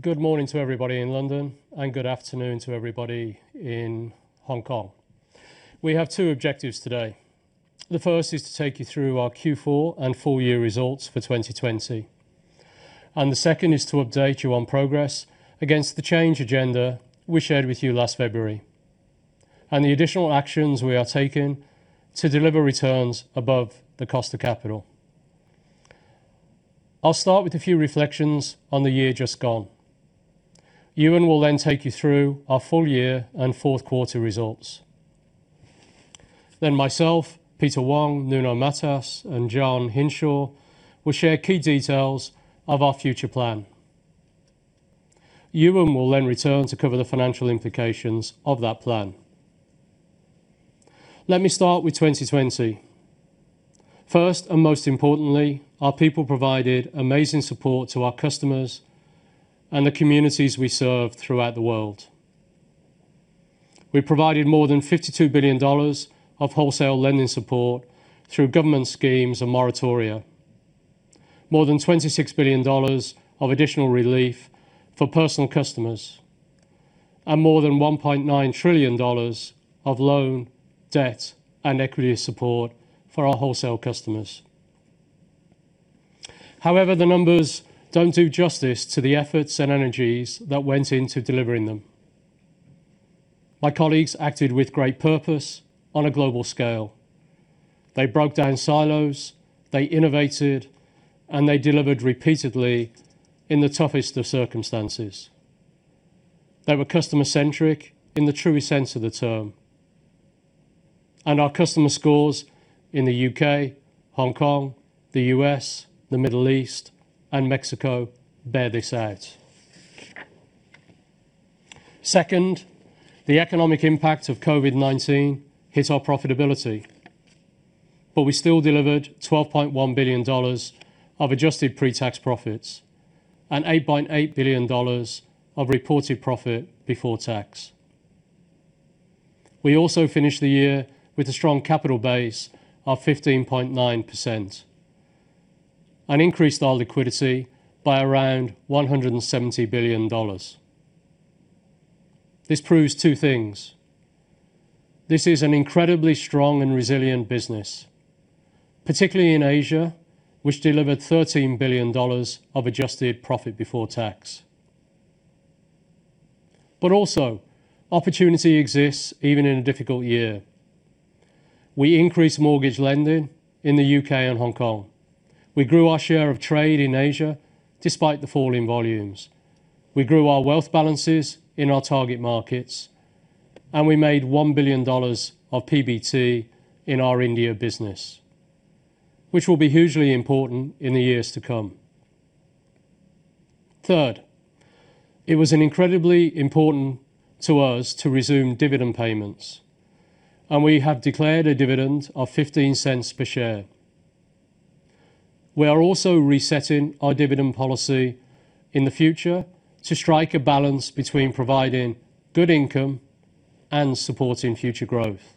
Good morning to everybody in London and good afternoon to everybody in Hong Kong. We have two objectives today. The first is to take you through our Q4 and full year results for 2020. The second is to update you on progress against the change agenda we shared with you last February, the additional actions we are taking to deliver returns above the cost of capital. I'll start with a few reflections on the year just gone. Ewen will take you through our full year and fourth quarter results. Myself, Peter Wong, Nuno Matos, and John Hinshaw will share key details of our future plan. Ewen will return to cover the financial implications of that plan. Let me start with 2020. First, most importantly, our people provided amazing support to our customers and the communities we serve throughout the world. We provided more than $52 billion of wholesale lending support through government schemes and moratoria, more than $26 billion of additional relief for personal customers, and more than $1.9 trillion of loan, debt, and equity support for our wholesale customers. The numbers don't do justice to the efforts and energies that went into delivering them. My colleagues acted with great purpose on a global scale. They broke down silos, they innovated, and they delivered repeatedly in the toughest of circumstances. They were customer-centric in the truest sense of the term, and our customer scores in the U.K., Hong Kong, the U.S., the Middle East, and Mexico bear this out. Second, the economic impact of COVID-19 hit our profitability, but we still delivered $12.1 billion of adjusted pre-tax profits and $8.8 billion of reported profit before tax. We also finished the year with a strong capital base of 15.9% and increased our liquidity by around $170 billion. This proves two things. This is an incredibly strong and resilient business, particularly in Asia, which delivered $13 billion of adjusted profit before tax. Also, opportunity exists even in a difficult year. We increased mortgage lending in the U.K. and Hong Kong. We grew our share of trade in Asia despite the fall in volumes. We grew our wealth balances in our target markets, and we made $1 billion of PBT in our India business, which will be hugely important in the years to come. Third, it was incredibly important to us to resume dividend payments, and we have declared a dividend of $0.15 per share. We are also resetting our dividend policy in the future to strike a balance between providing good income and supporting future growth.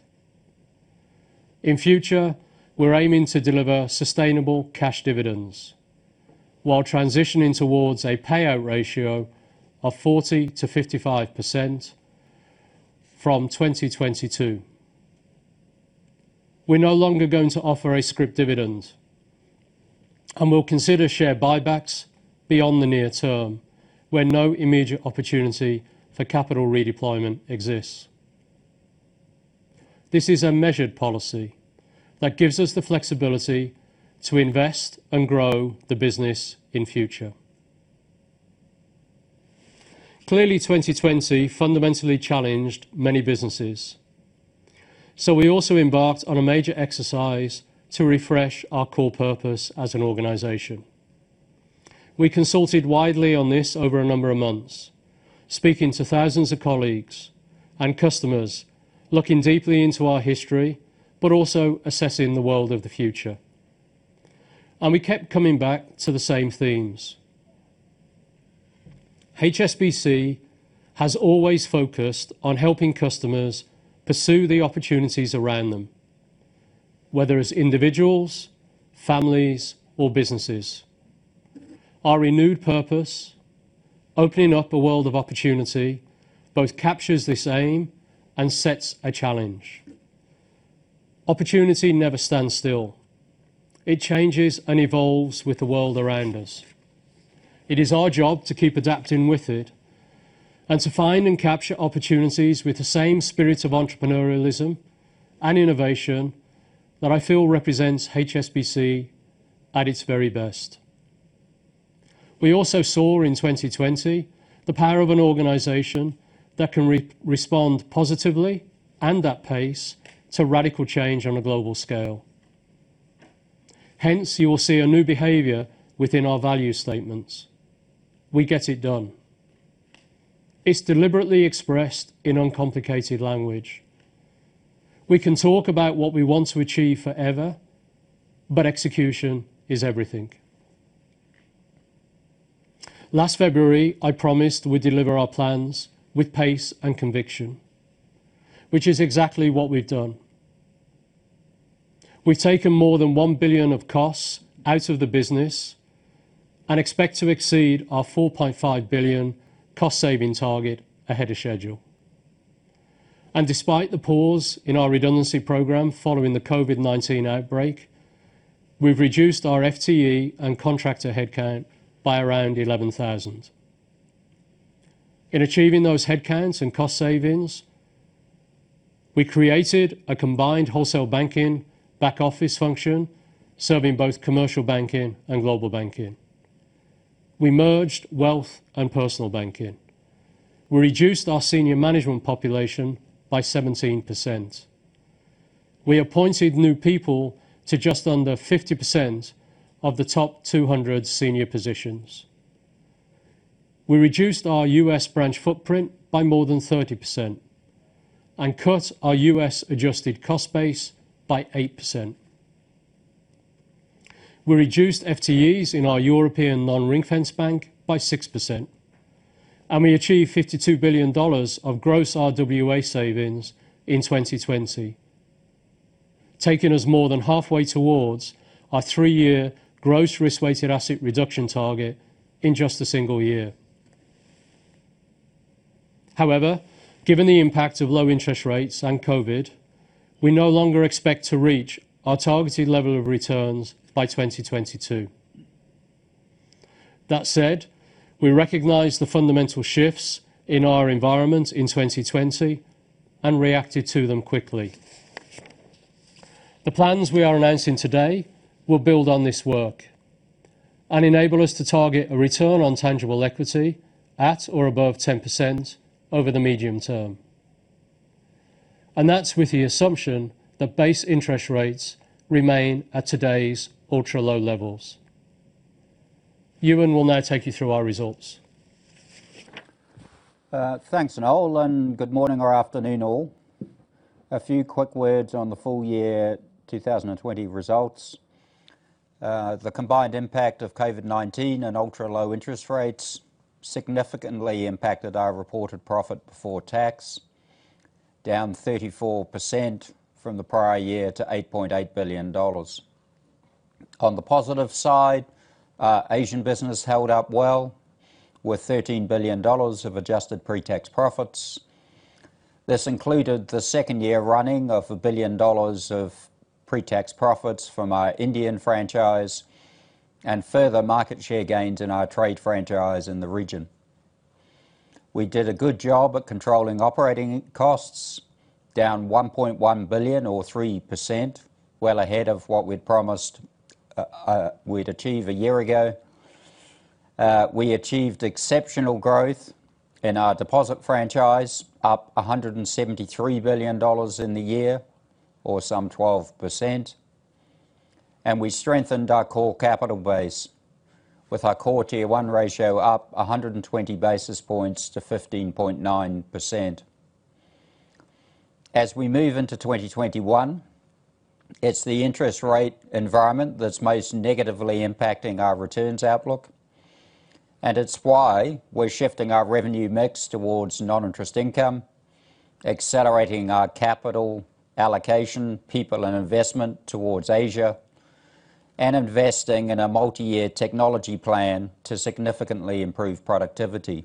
In future, we're aiming to deliver sustainable cash dividends while transitioning towards a payout ratio of 40%-55% from 2022. We're no longer going to offer a scrip dividend, we'll consider share buybacks beyond the near term, where no immediate opportunity for capital redeployment exists. This is a measured policy that gives us the flexibility to invest and grow the business in future. Clearly, 2020 fundamentally challenged many businesses, we also embarked on a major exercise to refresh our core purpose as an organization. We consulted widely on this over a number of months, speaking to thousands of colleagues and customers, looking deeply into our history, also assessing the world of the future. We kept coming back to the same themes. HSBC has always focused on helping customers pursue the opportunities around them, whether as individuals, families, or businesses. Our renewed purpose, opening up a world of opportunity, both captures this aim and sets a challenge. Opportunity never stands still. It changes and evolves with the world around us. It is our job to keep adapting with it and to find and capture opportunities with the same spirit of entrepreneurialism and innovation that I feel represents HSBC at its very best. We also saw in 2020 the power of an organization that can respond positively, and at pace, to radical change on a global scale. Hence, you will see a new behavior within our value statements. We get it done. It's deliberately expressed in uncomplicated language. We can talk about what we want to achieve forever, but execution is everything. Last February, I promised we'd deliver our plans with pace and conviction, which is exactly what we've done. We've taken more than $1 billion of costs out of the business and expect to exceed our $4.5 billion cost-saving target ahead of schedule. Despite the pause in our redundancy program following the COVID-19 outbreak, we've reduced our FTE and contractor headcount by around 11,000. In achieving those headcounts and cost savings, we created a combined wholesale banking back-office function, serving both Commercial Banking and Global Banking. We merged Wealth and Personal Banking. We reduced our senior management population by 17%. We appointed new people to just under 50% of the top 200 senior positions. We reduced our U.S. branch footprint by more than 30% and cut our U.S. adjusted cost base by 8%. We reduced FTEs in our European non-ring-fenced bank by 6% and we achieved $52 billion of gross RWA savings in 2020, taking us more than halfway towards our three-year gross risk-weighted asset reduction target in just a single year. However, given the impact of low interest rates and COVID, we no longer expect to reach our targeted level of returns by 2022. That said, we recognize the fundamental shifts in our environment in 2020 and reacted to them quickly. The plans we are announcing today will build on this work and enable us to target a return on tangible equity at or above 10% over the medium term. That's with the assumption that base interest rates remain at today's ultra-low levels. Ewen will now take you through our results. Thanks, Noel, and good morning or afternoon all. A few quick words on the full year 2020 results. The combined impact of COVID-19 and ultra-low interest rates significantly impacted our reported profit before tax, down 34% from the prior year to $8.8 billion. On the positive side, Asian business held up well with $13 billion of adjusted pre-tax profits. This included the second year running of a billion of pre-tax profits from our Indian franchise and further market share gains in our trade franchise in the region. We did a good job at controlling operating costs, down $1.1 billion or 3%, well ahead of what we'd promised we'd achieve a year ago. We achieved exceptional growth in our deposit franchise, up $173 billion in the year, or some 12%. We strengthened our core capital base with our Core Tier 1 ratio up 120 basis points to 15.9%. As we move into 2021, it's the interest rate environment that's most negatively impacting our returns outlook, and it's why we're shifting our revenue mix towards non-interest income, accelerating our capital allocation, people, and investment towards Asia, and investing in a multi-year technology plan to significantly improve productivity.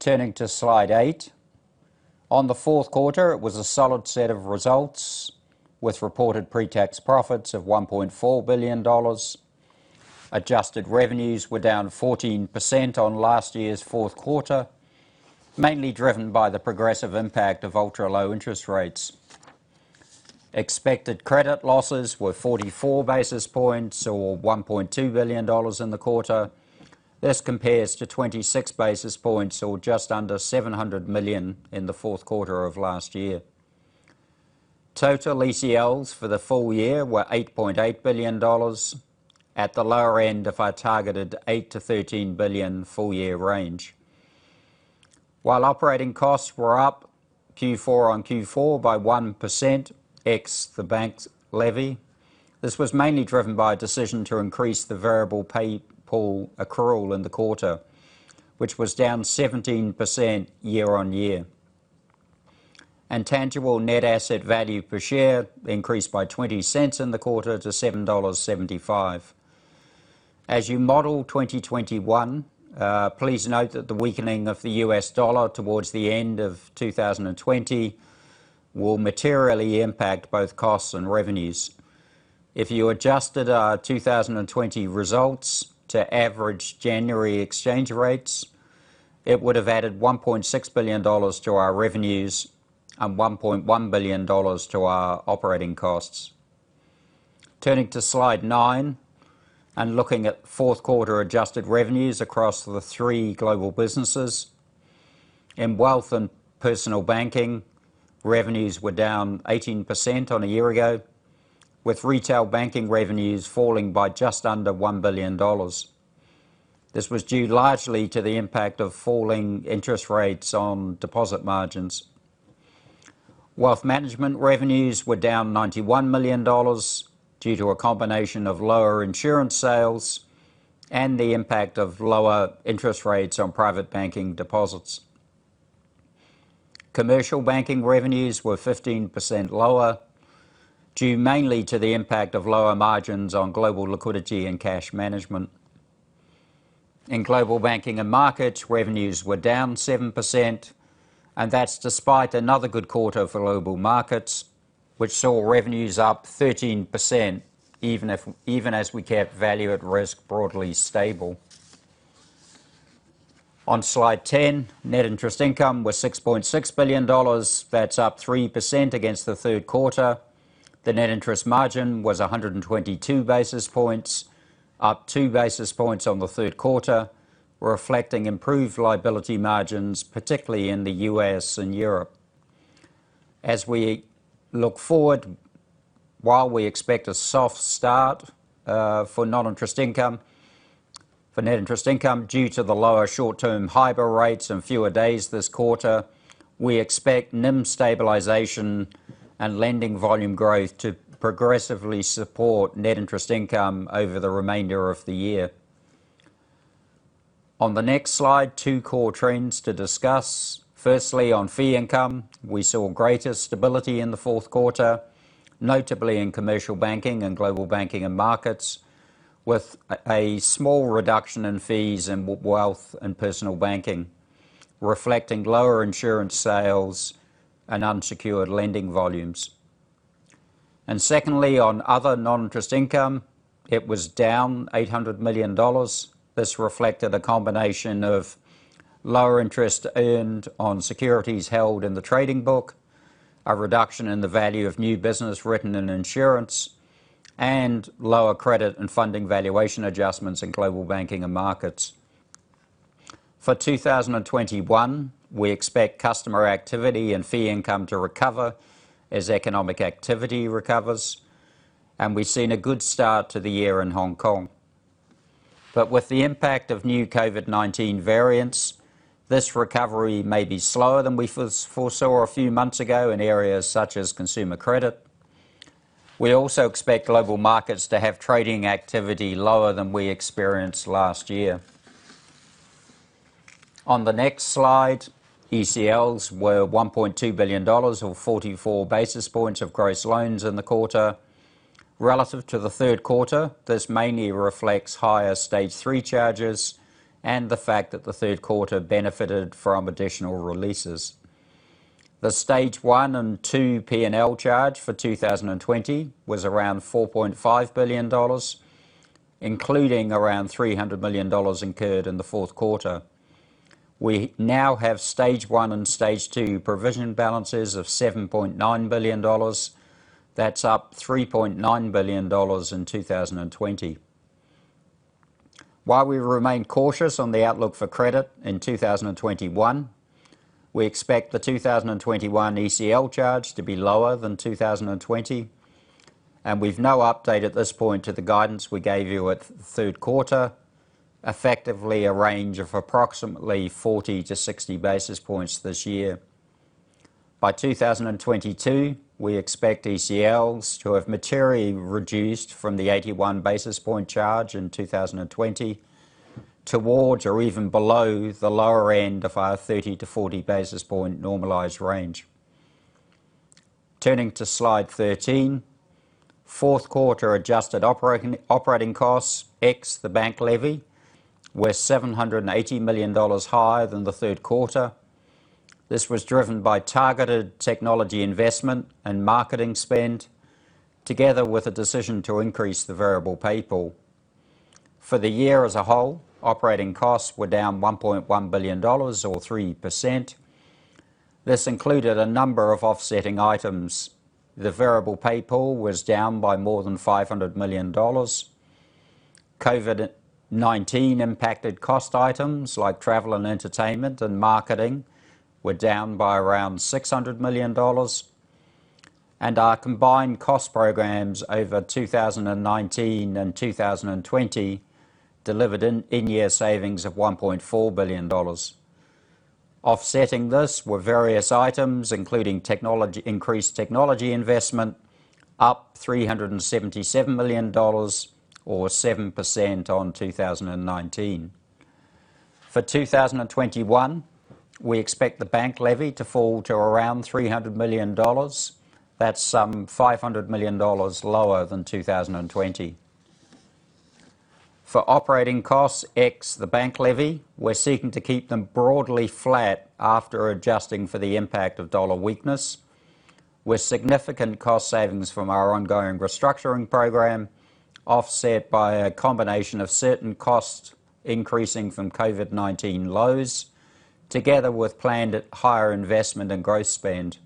Turning to slide eight. On the fourth quarter, it was a solid set of results with reported pre-tax profits of $1.4 billion. Adjusted revenues were down 14% on last year's fourth quarter, mainly driven by the progressive impact of ultra-low interest rates. Expected credit losses were 44 basis points or $1.2 billion in the quarter. This compares to 26 basis points or just under $700 million in the fourth quarter of last year. Total ECLs for the full year were $8.8 billion at the lower end of our targeted $8 billion-$13 billion full-year range. Operating costs were up Q4-on-Q4 by 1% ex the bank levy. This was mainly driven by a decision to increase the variable pay pool accrual in the quarter, which was down 17% year-on-year. Tangible net asset value per share increased by $0.20 in the quarter to $7.75. As you model 2021, please note that the weakening of the U.S. dollar towards the end of 2020 will materially impact both costs and revenues. If you adjusted our 2020 results to average January exchange rates, it would have added $1.6 billion to our revenues and $1.1 billion to our operating costs. Turning to slide nine and looking at fourth quarter adjusted revenues across the three global businesses. In Wealth and Personal Banking, revenues were down 18% on a year ago, with retail banking revenues falling by just under $1 billion. This was due largely to the impact of falling interest rates on deposit margins. Wealth management revenues were down $91 million due to a combination of lower insurance sales and the impact of lower interest rates on private banking deposits. Commercial Banking revenues were 15% lower, due mainly to the impact of lower margins on global liquidity and cash management. In Global Banking and Markets, revenues were down 7%, and that's despite another good quarter for Global Markets, which saw revenues up 13%, even as we kept value at risk broadly stable. On slide 10, net interest income was $6.6 billion. That's up 3% against the third quarter. The net interest margin was 122 basis points, up 2 basis points on the third quarter, reflecting improved liability margins, particularly in the U.S. and Europe. As we look forward, while we expect a soft start for net interest income due to the lower short-term HIBOR rates and fewer days this quarter, we expect NIM stabilization and lending volume growth to progressively support net interest income over the remainder of the year. On the next slide, two core trends to discuss. Firstly, on fee income, we saw greater stability in the fourth quarter, notably in Commercial Banking and Global Banking and Markets, with a small reduction in fees in Wealth and Personal Banking, reflecting lower insurance sales and unsecured lending volumes. Secondly, on other non-interest income, it was down $800 million. This reflected a combination of lower interest earned on securities held in the trading book, a reduction in the value of new business written in insurance, and lower credit and funding valuation adjustments in Global Banking and Markets. For 2021, we expect customer activity and fee income to recover as economic activity recovers. We've seen a good start to the year in Hong Kong. With the impact of new COVID-19 variants, this recovery may be slower than we foresaw a few months ago in areas such as consumer credit. We also expect global markets to have trading activity lower than we experienced last year. On the next slide, ECLs were $1.2 billion, or 44 basis points of gross loans in the quarter. Relative to the third quarter, this mainly reflects higher stage three charges and the fact that the third quarter benefited from additional releases. The stage one and two P&L charge for 2020 was around $4.5 billion, including around $300 million incurred in the fourth quarter. We now have stage one and stage two provision balances of $7.9 billion. That's up $3.9 billion in 2020. While we remain cautious on the outlook for credit in 2021, we expect the 2021 ECL charge to be lower than 2020. We've no update at this point to the guidance we gave you at the third quarter, effectively a range of approximately 40-60 basis points this year. By 2022, we expect ECLs to have materially reduced from the 81 basis point charge in 2020 towards or even below the lower end of our 30-40 basis point normalized range. Turning to slide 13, fourth quarter adjusted operating costs, ex the bank levy, were $780 million higher than the third quarter. This was driven by targeted technology investment and marketing spend, together with a decision to increase the variable pay pool. For the year as a whole, operating costs were down $1.1 billion, or 3%. This included a number of offsetting items. The variable pay pool was down by more than $500 million. COVID-19 impacted cost items like travel and entertainment and marketing were down by around $600 million. Our combined cost programs over 2019 and 2020 delivered in-year savings of $1.4 billion. Offsetting this were various items, including increased technology investment, up $377 million, or 7% on 2019. For 2021, we expect the bank levy to fall to around $300 million. That's some $500 million lower than 2020. For operating costs, ex the bank levy, we are seeking to keep them broadly flat after adjusting for the impact of dollar weakness, with significant cost savings from our ongoing restructuring program offset by a combination of certain costs increasing from COVID-19 lows, together with planned higher investment and growth spend.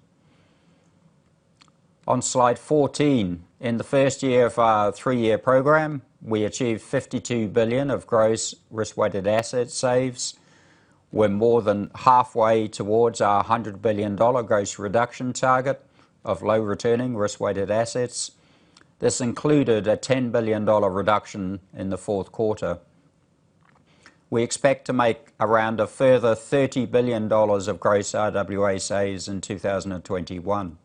On slide 14, in the first year of our three-year program, we achieved $52 billion of gross risk-weighted asset saves. We are more than halfway towards our $100 billion gross reduction target of low returning risk-weighted assets. This included a $10 billion reduction in the fourth quarter. We expect to make around a further $30 billion of gross RWAs in 2021.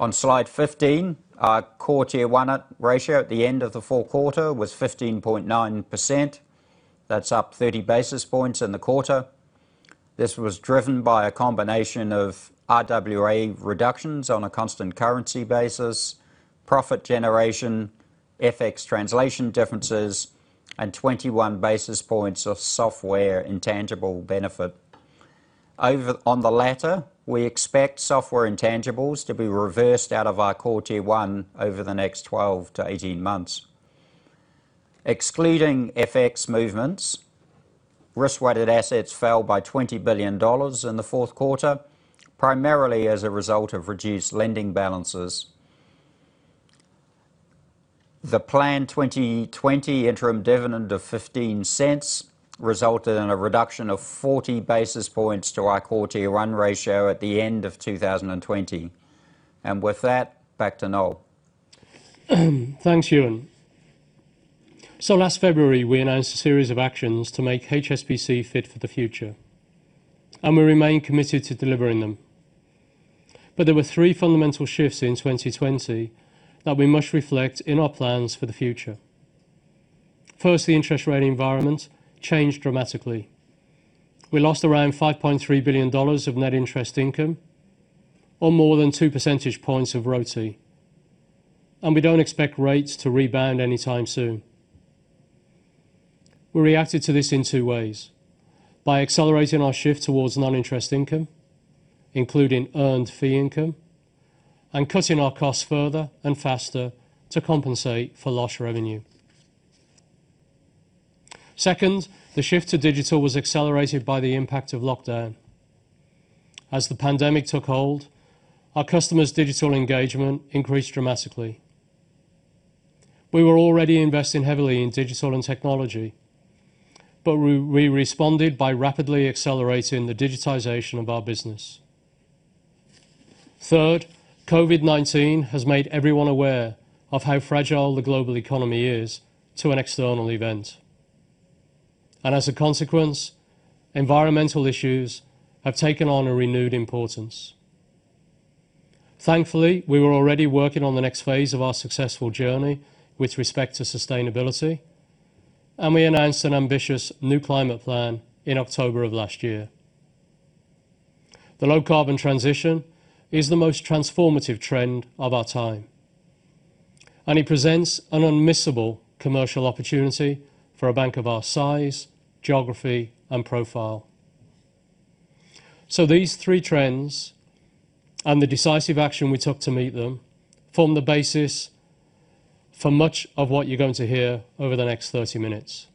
On slide 15, our Core Tier 1 ratio at the end of the fourth quarter was 15.9%. That is up 30 basis points in the quarter. This was driven by a combination of RWA reductions on a constant currency basis, profit generation, FX translation differences, and 21 basis points of software intangible benefit. Over on the latter, we expect software intangibles to be reversed out of our Core Tier 1 over the next 12-18 months. Excluding FX movements, risk-weighted assets fell by $20 billion in the fourth quarter, primarily as a result of reduced lending balances. The planned 2020 interim dividend of $0.15 resulted in a reduction of 40 basis points to our Core Tier 1 ratio at the end of 2020. With that, back to Noel. Thanks, Ewen. Last February, we announced a series of actions to make HSBC fit for the future, and we remain committed to delivering them. There were three fundamental shifts in 2020 that we must reflect in our plans for the future. First, the interest rate environment changed dramatically. We lost around $5.3 billion of net interest income, or more than two percentage points of ROTE, and we don't expect rates to rebound anytime soon. We reacted to this in two ways: by accelerating our shift towards non-interest income, including earned fee income, and cutting our costs further and faster to compensate for lost revenue. Second, the shift to digital was accelerated by the impact of lockdown. As the pandemic took hold, our customers' digital engagement increased dramatically. We were already investing heavily in digital and technology, but we responded by rapidly accelerating the digitization of our business. COVID-19 has made everyone aware of how fragile the global economy is to an external event. As a consequence, environmental issues have taken on a renewed importance. Thankfully, we were already working on the next phase of our successful journey with respect to sustainability, and we announced an ambitious new climate plan in October of last year. The low-carbon transition is the most transformative trend of our time, and it presents an unmissable commercial opportunity for a bank of our size, geography, and profile. These three trends, and the decisive action we took to meet them, form the basis for much of what you're going to hear over the next 30 minutes.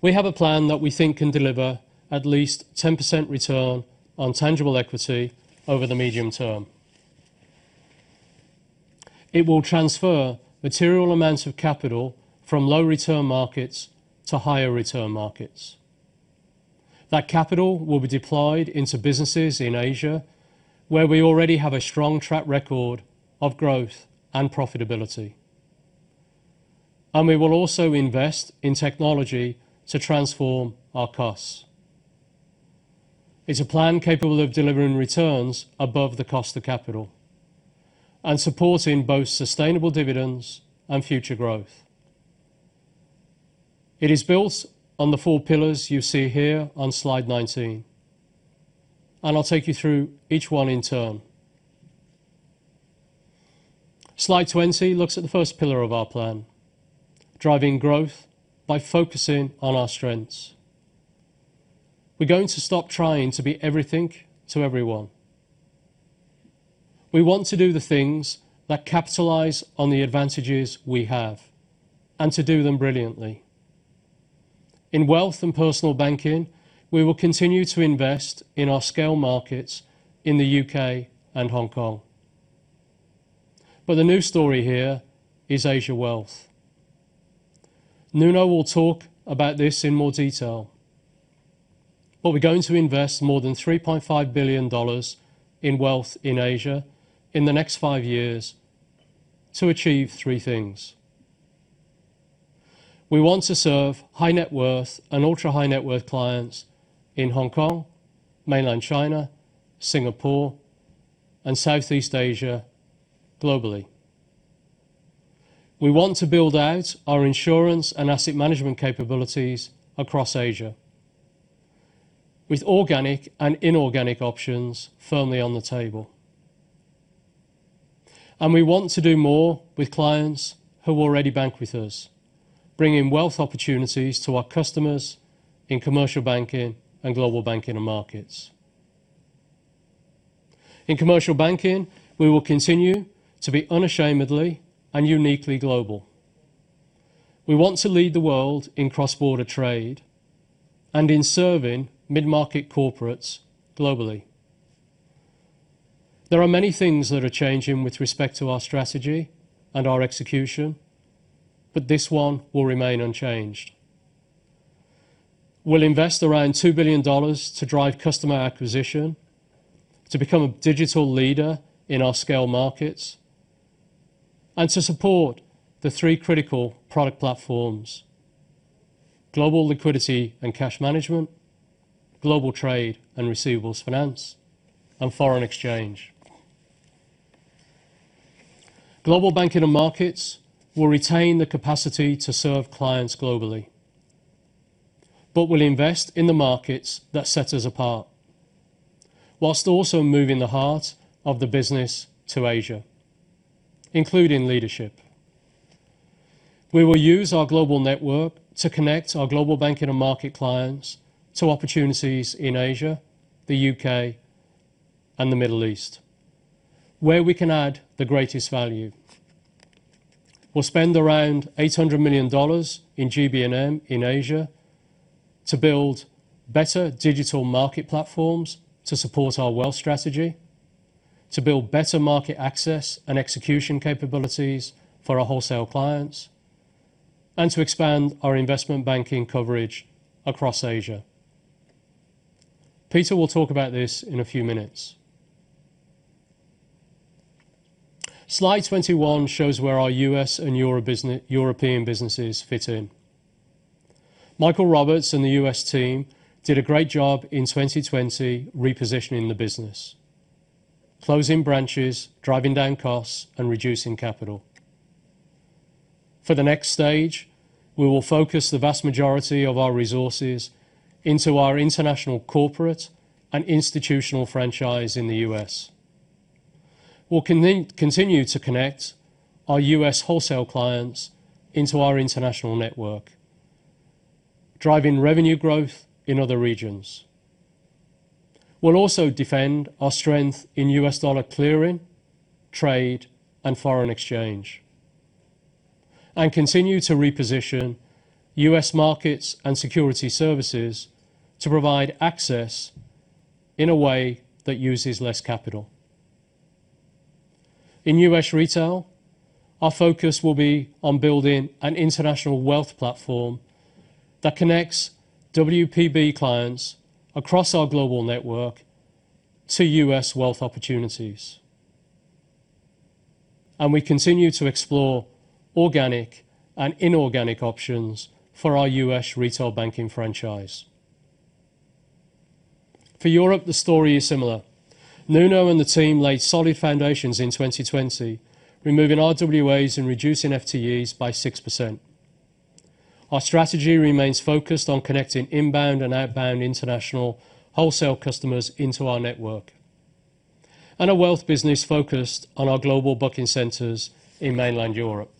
We have a plan that we think can deliver at least 10% return on tangible equity over the medium term. It will transfer material amounts of capital from low-return markets to higher-return markets. That capital will be deployed into businesses in Asia, where we already have a strong track record of growth and profitability. We will also invest in technology to transform our costs. It's a plan capable of delivering returns above the cost of capital and supporting both sustainable dividends and future growth. It is built on the four pillars you see here on slide 19, and I'll take you through each one in turn. Slide 20 looks at the first pillar of our plan, driving growth by focusing on our strengths. We're going to stop trying to be everything to everyone. We want to do the things that capitalize on the advantages we have and to do them brilliantly. In Wealth and Personal Banking, we will continue to invest in our scale markets in the U.K. and Hong Kong. The new story here is Asia wealth. Nuno will talk about this in more detail. We're going to invest more than $3.5 billion in wealth in Asia in the next five years to achieve three things. We want to serve high-net-worth and ultra-high-net-worth clients in Hong Kong, mainland China, Singapore, and Southeast Asia globally. We want to build out our insurance and asset management capabilities across Asia, with organic and inorganic options firmly on the table. We want to do more with clients who already bank with us, bringing wealth opportunities to our customers in Commercial Banking and Global Banking and Markets. In Commercial Banking, we will continue to be unashamedly and uniquely global. We want to lead the world in cross-border trade and in serving mid-market corporates globally. There are many things that are changing with respect to our strategy and our execution. This one will remain unchanged. We'll invest around $2 billion to drive customer acquisition, to become a digital leader in our scale markets and to support the three critical product platforms, global liquidity and cash management, global trade and receivables finance, and foreign exchange. Global Banking and Markets will retain the capacity to serve clients globally, but will invest in the markets that set us apart, whilst also moving the heart of the business to Asia, including leadership. We will use our global network to connect our Global Banking and Market clients to opportunities in Asia, the U.K., and the Middle East, where we can add the greatest value. We'll spend around $800 million in GB&M in Asia to build better digital market platforms to support our wealth strategy, to build better market access and execution capabilities for our wholesale clients, and to expand our investment banking coverage across Asia. Peter will talk about this in a few minutes. Slide 21 shows where our U.S. and European businesses fit in. Michael Roberts and the U.S. team did a great job in 2020 repositioning the business, closing branches, driving down costs, and reducing capital. For the next stage, we will focus the vast majority of our resources into our international corporate and institutional franchise in the U.S. We'll continue to connect our U.S. wholesale clients into our international network, driving revenue growth in other regions. We'll also defend our strength in U.S. dollar clearing, trade, and foreign exchange, and continue to reposition U.S. markets and security services to provide access in a way that uses less capital. In U.S. retail, our focus will be on building an international wealth platform that connects WPB clients across our global network to U.S. wealth opportunities. We continue to explore organic and inorganic options for our U.S. retail banking franchise. For Europe, the story is similar. Nuno and the team laid solid foundations in 2020, removing RWAs and reducing FTEs by 6%. Our strategy remains focused on connecting inbound and outbound international wholesale customers into our network, and a wealth business focused on our global booking centers in mainland Europe.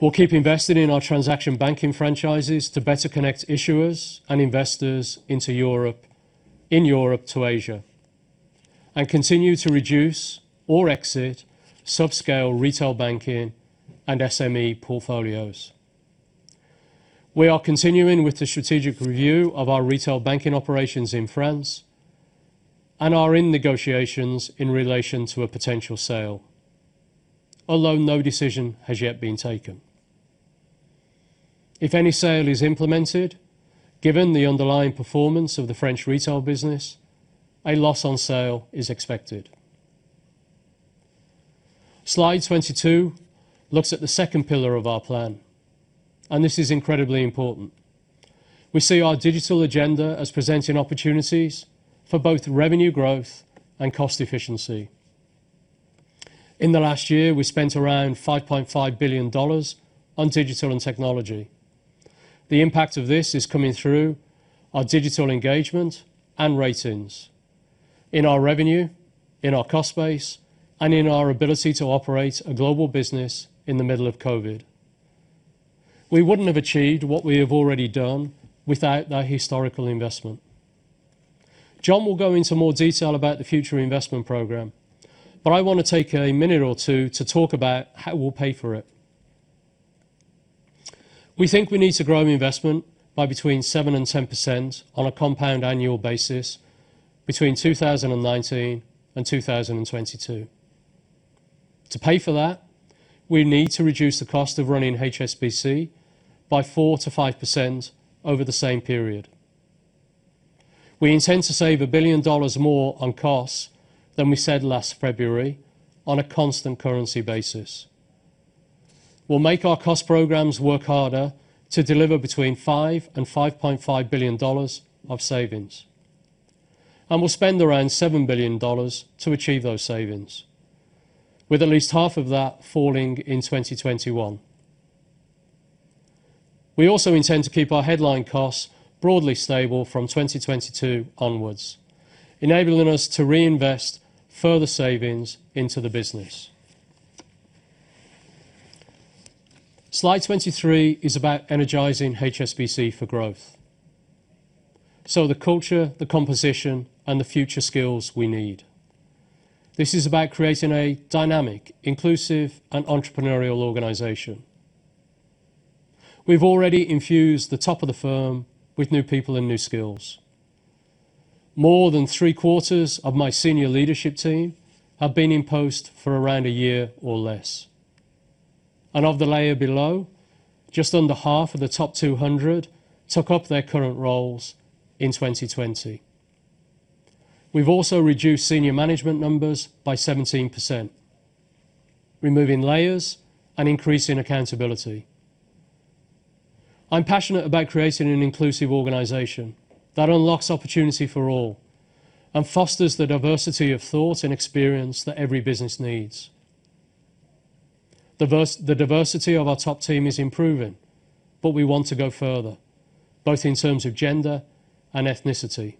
We'll keep investing in our transaction banking franchises to better connect issuers and investors into Europe, in Europe to Asia, and continue to reduce or exit subscale retail banking and SME portfolios. We are continuing with the strategic review of our retail banking operations in France and are in negotiations in relation to a potential sale, although no decision has yet been taken. If any sale is implemented, given the underlying performance of the French retail business, a loss on sale is expected. Slide 22 looks at the second pillar of our plan. This is incredibly important. We see our digital agenda as presenting opportunities for both revenue growth and cost efficiency. In the last year, we spent around $5.5 billion on digital and technology. The impact of this is coming through our digital engagement and ratings, in our revenue, in our cost base, and in our ability to operate a global business in the middle of COVID. We wouldn't have achieved what we have already done without that historical investment. John will go into more detail about the future investment program, but I want to take a minute or two to talk about how we'll pay for it. We think we need to grow investment by between 7% and 10% on a compound annual basis between 2019 and 2022. To pay for that, we need to reduce the cost of running HSBC by 4%-5% over the same period. We intend to save a billion more on costs than we said last February on a constant currency basis. We'll make our cost programs work harder to deliver between $5 billion and $5.5 billion of savings, and we'll spend around $7 billion to achieve those savings, with at least half of that falling in 2021. We also intend to keep our headline costs broadly stable from 2022 onwards, enabling us to reinvest further savings into the business. Slide 23 is about energizing HSBC for growth. The culture, the composition, and the future skills we need. This is about creating a dynamic, inclusive, and entrepreneurial organization. We've already infused the top of the firm with new people and new skills. More than three-quarters of my senior leadership team have been in post for around a year or less. Of the layer below, just under half of the top 200 took up their current roles in 2020. We've also reduced senior management numbers by 17%, removing layers and increasing accountability. I'm passionate about creating an inclusive organization that unlocks opportunity for all and fosters the diversity of thought and experience that every business needs. The diversity of our top team is improving, but we want to go further, both in terms of gender and ethnicity.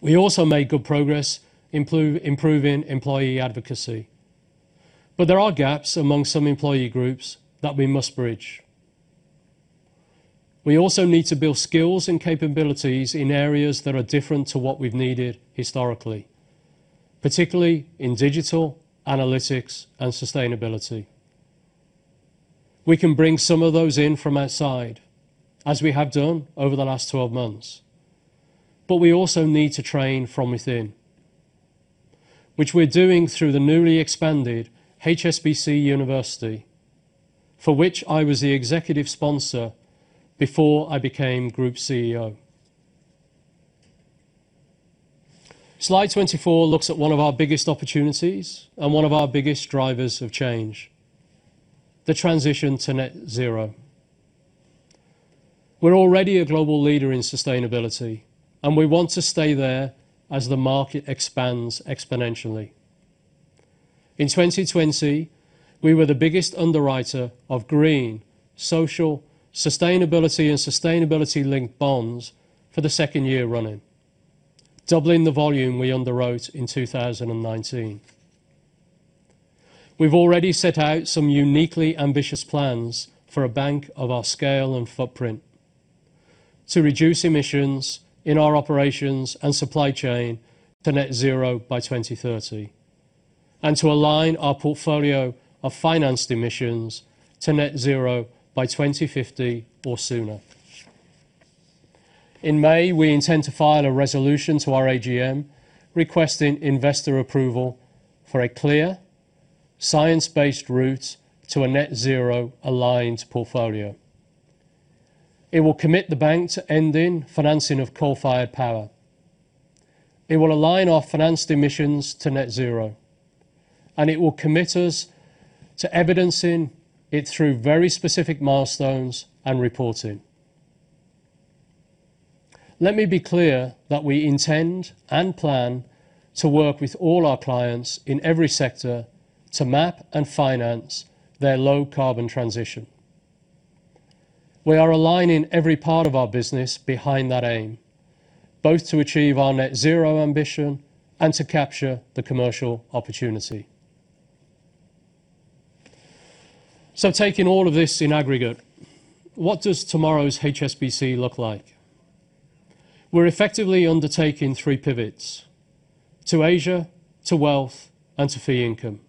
We also made good progress improving employee advocacy, but there are gaps among some employee groups that we must bridge. We also need to build skills and capabilities in areas that are different to what we've needed historically, particularly in digital, analytics, and sustainability. We can bring some of those in from outside, as we have done over the last 12 months, but we also need to train from within, which we're doing through the newly expanded HSBC University, for which I was the executive sponsor before I became Group CEO. Slide 24 looks at one of our biggest opportunities and one of our biggest drivers of change, the transition to net zero. We're already a global leader in sustainability, and we want to stay there as the market expands exponentially. In 2020, we were the biggest underwriter of green, social, sustainability, and sustainability-linked bonds for the second year running, doubling the volume we underwrote in 2019. We've already set out some uniquely ambitious plans for a bank of our scale and footprint to reduce emissions in our operations and supply chain to net zero by 2030 and to align our portfolio of financed emissions to net zero by 2050 or sooner. In May, we intend to file a resolution to our AGM requesting investor approval for a clear science-based route to a net zero-aligned portfolio. It will commit the bank to ending financing of coal-fired power. It will align our financed emissions to net zero, and it will commit us to evidencing it through very specific milestones and reporting. Let me be clear that we intend and plan to work with all our clients in every sector to map and finance their low-carbon transition. We are aligning every part of our business behind that aim, both to achieve our net zero ambition and to capture the commercial opportunity. Taking all of this in aggregate, what does tomorrow's HSBC look like? We're effectively undertaking three pivots, to Asia, to wealth, and to fee income.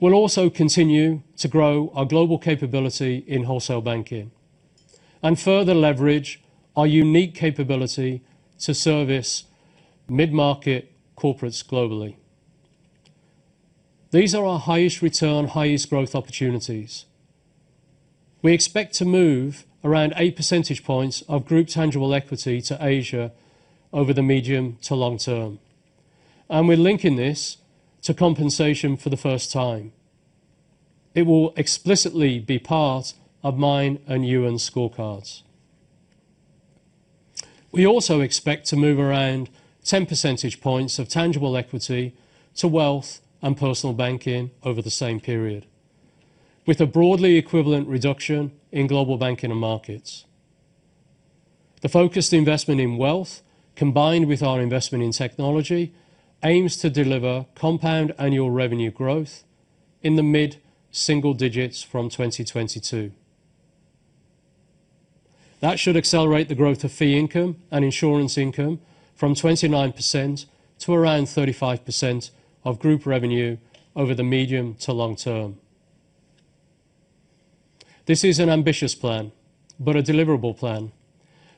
We'll also continue to grow our global capability in wholesale banking and further leverage our unique capability to service mid-market corporates globally. These are our highest return, highest growth opportunities. We expect to move around eight percentage points of group tangible equity to Asia over the medium to long term, and we're linking this to compensation for the first time. It will explicitly be part of mine and Ewen's scorecards. We also expect to move around 10 percentage points of tangible equity to Wealth and Personal Banking over the same period, with a broadly equivalent reduction in Global Banking and Markets. The focused investment in wealth, combined with our investment in technology, aims to deliver compound annual revenue growth in the mid-single digits from 2022. That should accelerate the growth of fee income and insurance income from 29%-35% of group revenue over the medium to long term. This is an ambitious plan, but a deliverable plan,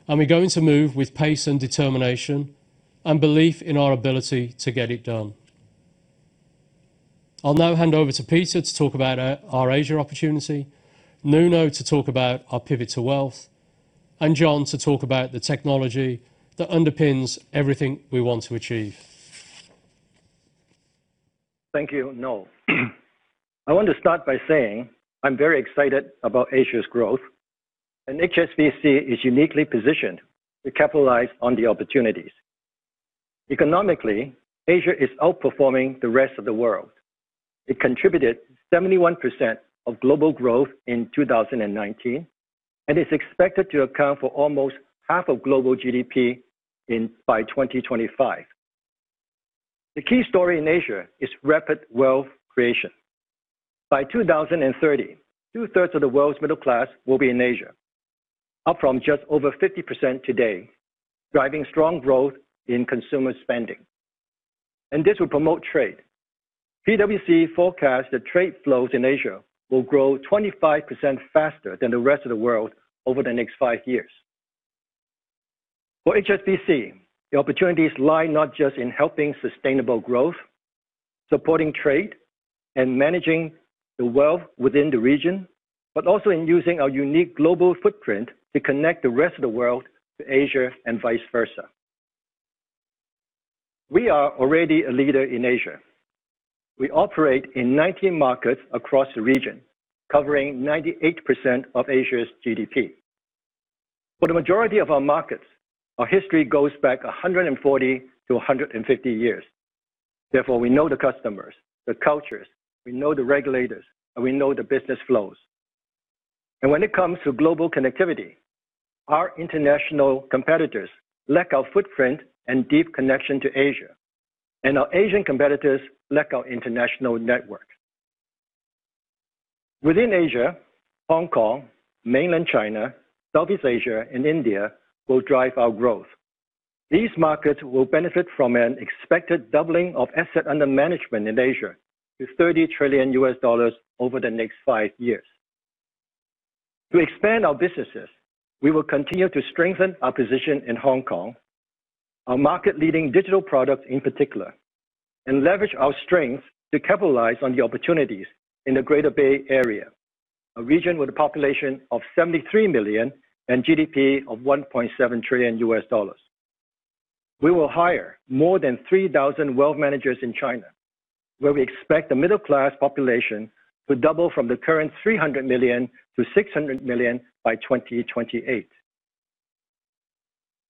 and we're going to move with pace and determination and belief in our ability to get it done. I'll now hand over to Peter to talk about our Asia opportunity, Nuno to talk about our pivot to wealth, and John to talk about the technology that underpins everything we want to achieve. Thank you, Noel. I want to start by saying I'm very excited about Asia's growth. HSBC is uniquely positioned to capitalize on the opportunities. Economically, Asia is outperforming the rest of the world. It contributed 71% of global growth in 2019 and is expected to account for almost half of global GDP by 2025. The key story in Asia is rapid wealth creation. By 2030, 2/3 of the world's middle class will be in Asia, up from just over 50% today, driving strong growth in consumer spending. This will promote trade. PwC forecasts that trade flows in Asia will grow 25% faster than the rest of the world over the next five years. For HSBC, the opportunities lie not just in helping sustainable growth, supporting trade and managing the wealth within the region, but also in using our unique global footprint to connect the rest of the world to Asia and vice versa. We are already a leader in Asia. We operate in 19 markets across the region, covering 98% of Asia's GDP. For the majority of our markets, our history goes back 140 to 150 years. Therefore, we know the customers, the cultures, we know the regulators, and we know the business flows. When it comes to global connectivity, our international competitors lack our footprint and deep connection to Asia, and our Asian competitors lack our international network. Within Asia, Hong Kong, mainland China, Southeast Asia, and India will drive our growth. These markets will benefit from an expected doubling of assets under management in Asia to $30 trillion over the next five years. To expand our businesses, we will continue to strengthen our position in Hong Kong, our market-leading digital product in particular, and leverage our strengths to capitalize on the opportunities in the Greater Bay Area, a region with a population of 73 million and GDP of $1.7 trillion. We will hire more than 3,000 wealth managers in China, where we expect the middle-class population to double from the current 300 million to 600 million by 2028.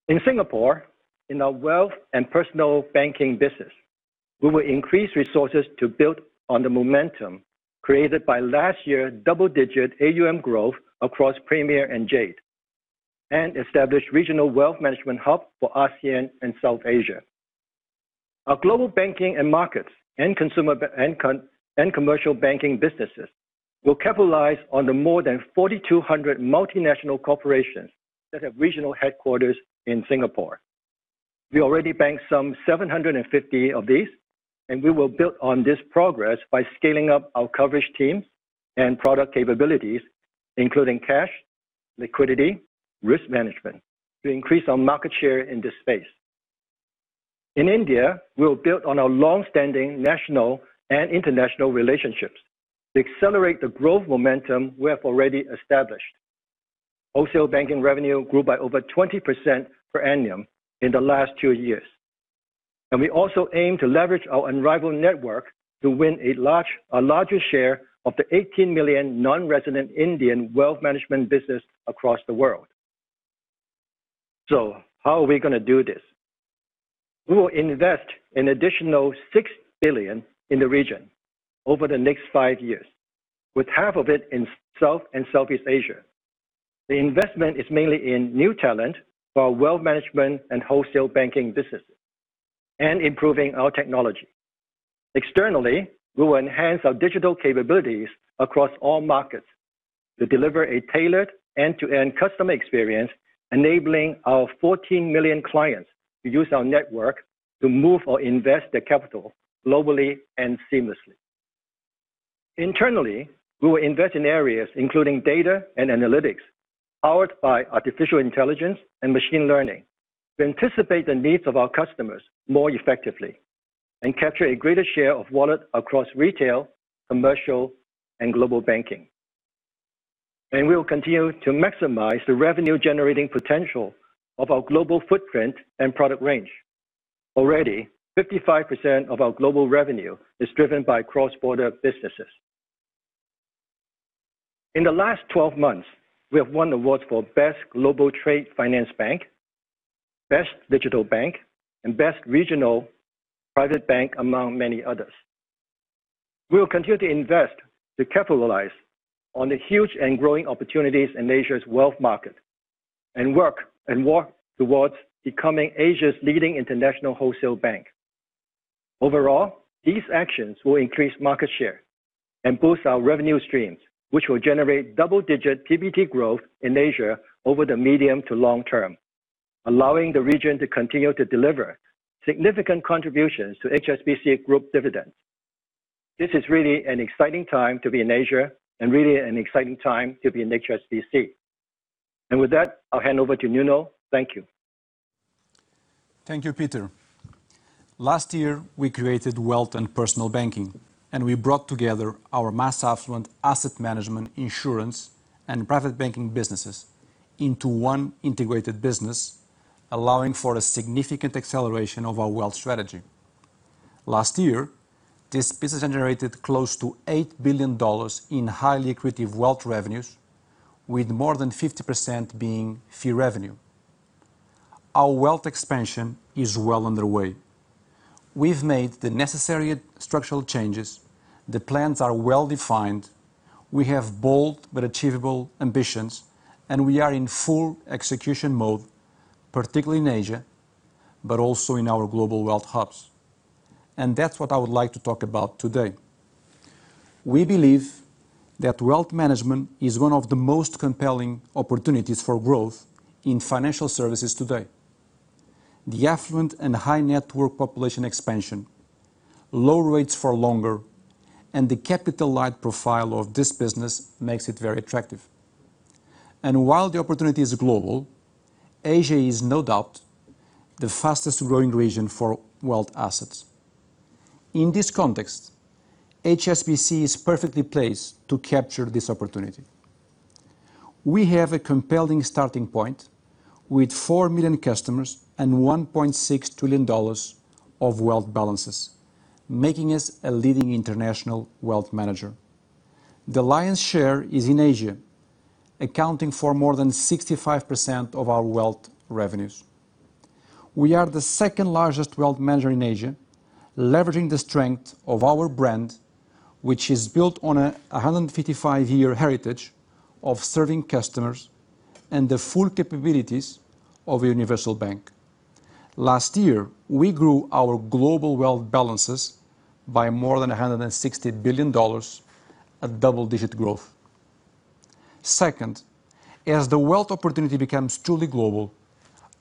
In Singapore, in our Wealth and Personal Banking business, we will increase resources to build on the momentum created by last year's double-digit AUM growth across Premier and Jade, and establish regional wealth management hub for ASEAN and South Asia. Our Global Banking and Markets and consumer and Commercial Banking businesses will capitalize on the more than 4,200 multinational corporations that have regional headquarters in Singapore. We already bank some 750 of these, and we will build on this progress by scaling up our coverage teams and product capabilities, including cash, liquidity, risk management to increase our market share in this space. In India, we'll build on our long-standing national and international relationships to accelerate the growth momentum we have already established. Wholesale banking revenue grew by over 20% per annum in the last two years. We also aim to leverage our unrivaled network to win a larger share of the 18 million Non-Resident Indian wealth management business across the world. How are we going to do this? We will invest an additional $6 billion in the region over the next five years, with half of it in South and Southeast Asia. The investment is mainly in new talent for our wealth management and wholesale banking businesses and improving our technology. Externally, we will enhance our digital capabilities across all markets to deliver a tailored end-to-end customer experience, enabling our 14 million clients to use our network to move or invest their capital globally and seamlessly. Internally, we will invest in areas including data and analytics, powered by artificial intelligence and machine learning, to anticipate the needs of our customers more effectively and capture a greater share of wallet across retail, commercial, and global banking. We will continue to maximize the revenue-generating potential of our global footprint and product range. Already, 55% of our global revenue is driven by cross-border businesses. In the last 12 months, we have won awards for Best Global Trade Finance Bank, Best Digital Bank, and Best Regional Private Bank, among many others. We will continue to invest to capitalize on the huge and growing opportunities in Asia's wealth market and work towards becoming Asia's leading international wholesale bank. Overall, these actions will increase market share and boost our revenue streams, which will generate double-digit PBT growth in Asia over the medium to long term, allowing the region to continue to deliver significant contributions to HSBC Group dividends. This is really an exciting time to be in Asia and really an exciting time to be in HSBC. With that, I'll hand over to Nuno. Thank you. Thank you, Peter. Last year, we created Wealth and Personal Banking, and we brought together our mass affluent asset management, insurance, and private banking businesses into one integrated business, allowing for a significant acceleration of our wealth strategy. Last year, this business generated close to $8 billion in highly accretive wealth revenues, with more than 50% being fee revenue. Our wealth expansion is well underway. We've made the necessary structural changes. The plans are well-defined. We have bold but achievable ambitions, and we are in full execution mode, particularly in Asia, but also in our global wealth hubs. That's what I would like to talk about today. We believe that wealth management is one of the most compelling opportunities for growth in financial services today. The affluent and high-net-worth population expansion, low rates for longer, and the capital light profile of this business makes it very attractive. While the opportunity is global, Asia is no doubt the fastest-growing region for wealth assets. In this context, HSBC is perfectly placed to capture this opportunity. We have a compelling starting point with four million customers and $1.6 trillion of wealth balances, making us a leading international wealth manager. The lion's share is in Asia, accounting for more than 65% of our wealth revenues. We are the second-largest wealth manager in Asia, leveraging the strength of our brand, which is built on a 155-year heritage of serving customers and the full capabilities of a universal bank. Last year, we grew our global wealth balances by more than $160 billion, a double-digit growth. Second, as the wealth opportunity becomes truly global,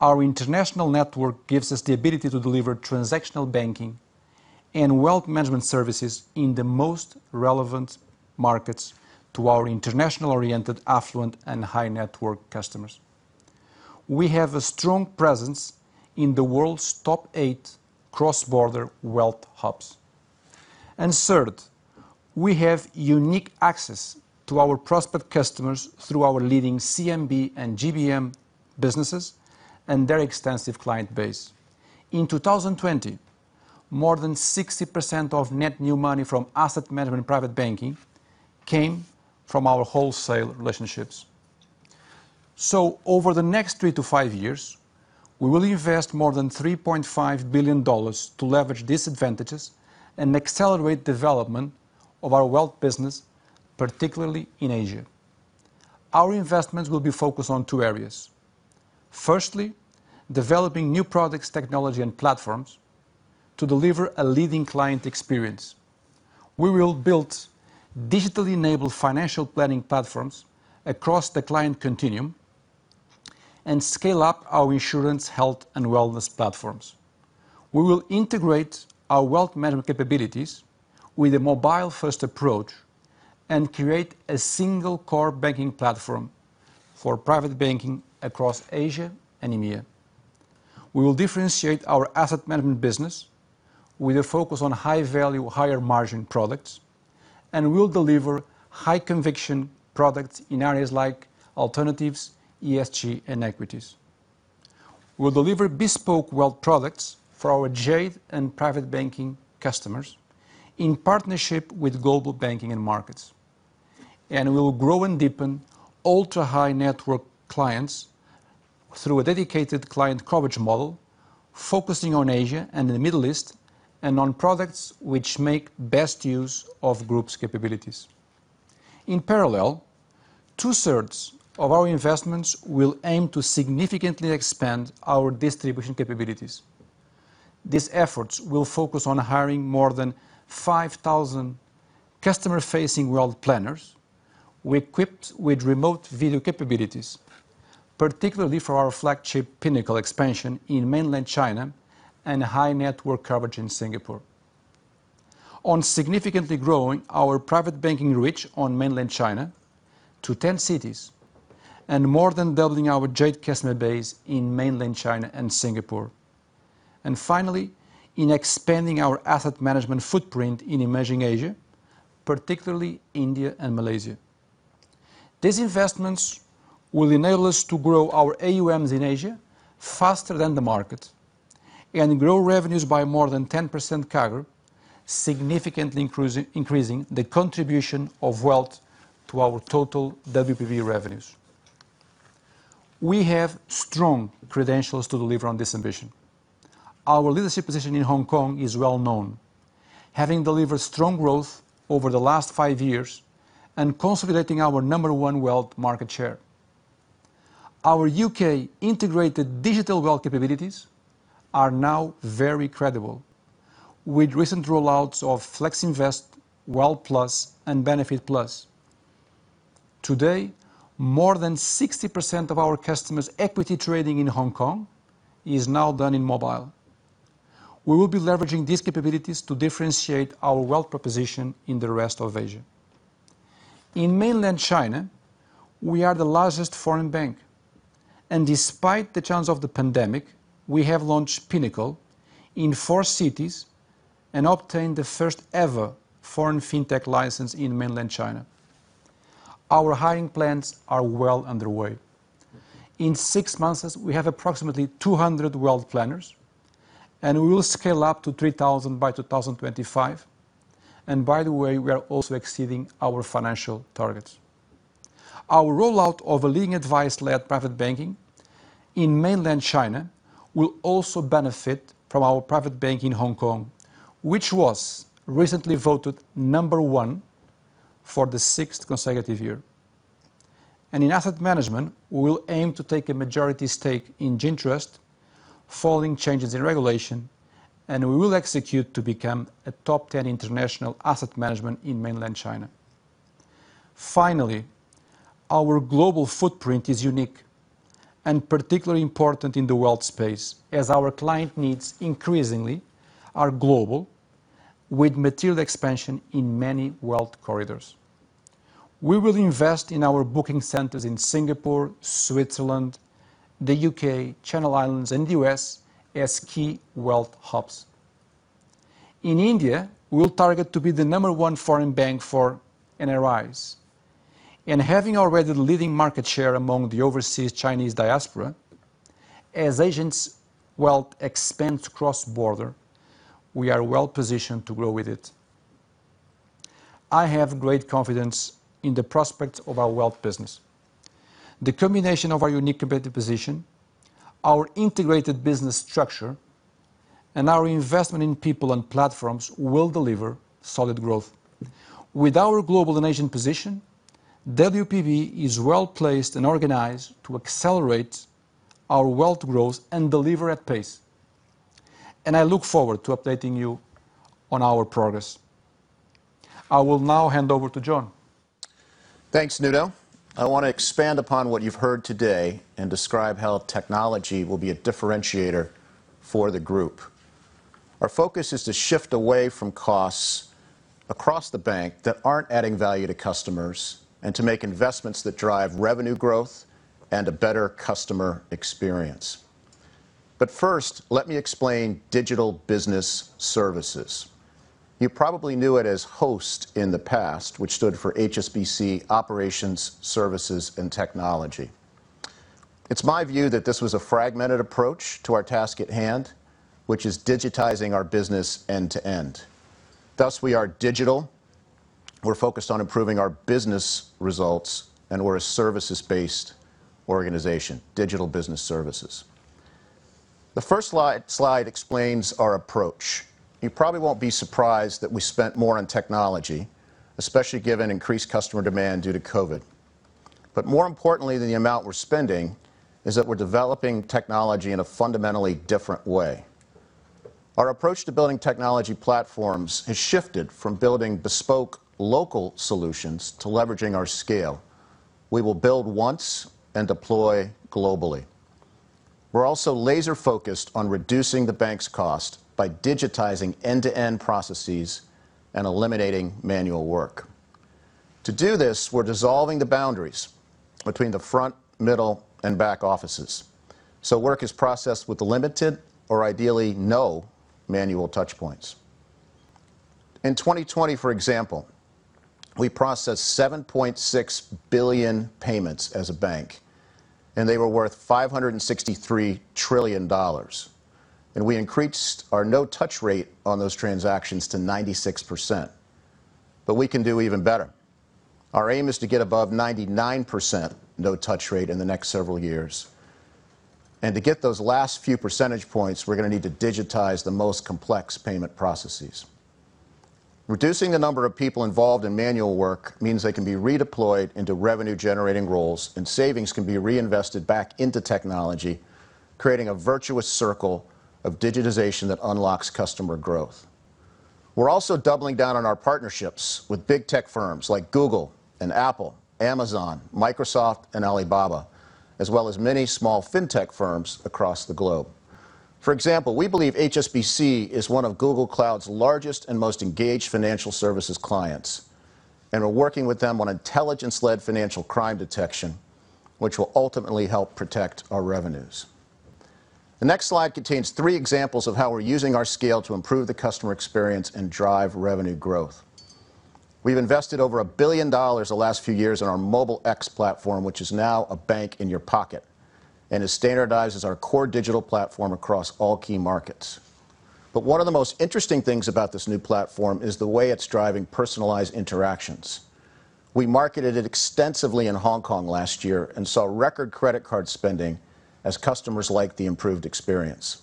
our international network gives us the ability to deliver transactional banking and wealth management services in the most relevant markets to our international-oriented, affluent, and high-net-worth customers. We have a strong presence in the world's top eight cross-border wealth hubs. Third, we have unique access to our prospect customers through our leading CMB and GBM businesses and their extensive client base. In 2020, more than 60% of net new money from asset management private banking came from our wholesale relationships. Over the next three to five years, we will invest more than $3.5 billion to leverage these advantages and accelerate development of our wealth business, particularly in Asia. Our investments will be focused on two areas. Firstly, developing new products, technology, and platforms to deliver a leading client experience. We will build digitally enabled financial planning platforms across the client continuum and scale up our insurance, health, and wellness platforms. We will integrate our wealth management capabilities with a mobile-first approach and create a single core banking platform for private banking across Asia and EMEA. We will differentiate our asset management business with a focus on high-value, higher-margin products, and we'll deliver high-conviction products in areas like alternatives, ESG, and equities. We'll deliver bespoke wealth products for our Jade and private banking customers in partnership with Global Banking and Markets. We will grow and deepen ultra-high-net-worth clients through a dedicated client coverage model, focusing on Asia and the Middle East, and on products which make best use of Group's capabilities. In parallel, 2/3 of our investments will aim to significantly expand our distribution capabilities. These efforts will focus on hiring more than 5,000 customer-facing wealth planners, equipped with remote video capabilities, particularly for our flagship Pinnacle expansion in mainland China and high-net-worth coverage in Singapore, on significantly growing our private banking reach on mainland China to 10 cities and more than doubling our HSBC Jade customer base in mainland China and Singapore, and finally, in expanding our asset management footprint in emerging Asia, particularly India and Malaysia. These investments will enable us to grow our AUMs in Asia faster than the market and grow revenues by more than 10% CAGR, significantly increasing the contribution of wealth to our total WPB revenues. We have strong credentials to deliver on this ambition. Our leadership position in Hong Kong is well known, having delivered strong growth over the last five years and consolidating our number one wealth market share. Our U.K. integrated digital wealth capabilities are now very credible, with recent rollouts of FlexInvest, Wealth Plus, and Benefits+. Today, more than 60% of our customers' equity trading in Hong Kong is now done in mobile. We will be leveraging these capabilities to differentiate our wealth proposition in the rest of Asia. In mainland China, we are the largest foreign bank, and despite the challenge of the pandemic, we have launched Pinnacle in four cities and obtained the first-ever foreign fintech license in mainland China. Our hiring plans are well underway. In six months, we have approximately 200 wealth planners, and we will scale up to 3,000 by 2025. By the way, we are also exceeding our financial targets. Our rollout of a leading advice-led private banking in mainland China will also benefit from our private bank in Hong Kong, which was recently voted number one for the sixth consecutive year. In asset management, we'll aim to take a majority stake in Jintrust following changes in regulation, and we will execute to become a top 10 international asset management in mainland China. Finally, our global footprint is unique. Particularly important in the wealth space, as our client needs increasingly are global, with material expansion in many wealth corridors. We will invest in our booking centers in Singapore, Switzerland, the U.K., Channel Islands, and the U.S. as key wealth hubs. In India, we'll target to be the number one foreign bank for NRIs. Having already the leading market share among the overseas Chinese diaspora, as Asians' wealth expands cross-border, we are well-positioned to grow with it. I have great confidence in the prospects of our wealth business. The combination of our unique competitive position, our integrated business structure, and our investment in people and platforms will deliver solid growth. With our global and Asian position, WPB is well-placed and organized to accelerate our wealth growth and deliver at pace, and I look forward to updating you on our progress. I will now hand over to John. Thanks, Nuno. I want to expand upon what you've heard today and describe how technology will be a differentiator for the group. Our focus is to shift away from costs across the bank that aren't adding value to customers and to make investments that drive revenue growth and a better customer experience. First, let me explain Digital Business Services. You probably knew it as HOST in the past, which stood for HSBC Operations, Services and Technology. It's my view that this was a fragmented approach to our task at hand, which is digitizing our business end-to-end. Thus, we are digital, we're focused on improving our business results, and we're a services-based organization, Digital Business Services. The first slide explains our approach. You probably won't be surprised that we spent more on technology, especially given increased customer demand due to COVID. More importantly than the amount we're spending is that we're developing technology in a fundamentally different way. Our approach to building technology platforms has shifted from building bespoke local solutions to leveraging our scale. We will build once and deploy globally. We're also laser-focused on reducing the bank's cost by digitizing end-to-end processes and eliminating manual work. To do this, we're dissolving the boundaries between the front, middle, and back offices, so work is processed with limited or ideally no manual touchpoints. In 2020, for example, we processed 7.6 billion payments as a bank, and they were worth $563 trillion. We increased our no-touch rate on those transactions to 96%, but we can do even better. Our aim is to get above 99% no-touch rate in the next several years. To get those last few percentage points, we're going to need to digitize the most complex payment processes. Reducing the number of people involved in manual work means they can be redeployed into revenue-generating roles, and savings can be reinvested back into technology, creating a virtuous circle of digitization that unlocks customer growth. We're also doubling down on our partnerships with big tech firms like Google and Apple, Amazon, Microsoft, and Alibaba, as well as many small fintech firms across the globe. For example, we believe HSBC is one of Google Cloud's largest and most engaged financial services clients, and we're working with them on intelligence-led financial crime detection, which will ultimately help protect our revenues. The next slide contains three examples of how we're using our scale to improve the customer experience and drive revenue growth. We've invested over a billion the last few years on our Mobile X platform, which is now a bank in your pocket and it standardizes our core digital platform across all key markets. One of the most interesting things about this new platform is the way it's driving personalized interactions. We marketed it extensively in Hong Kong last year and saw record credit card spending as customers liked the improved experience.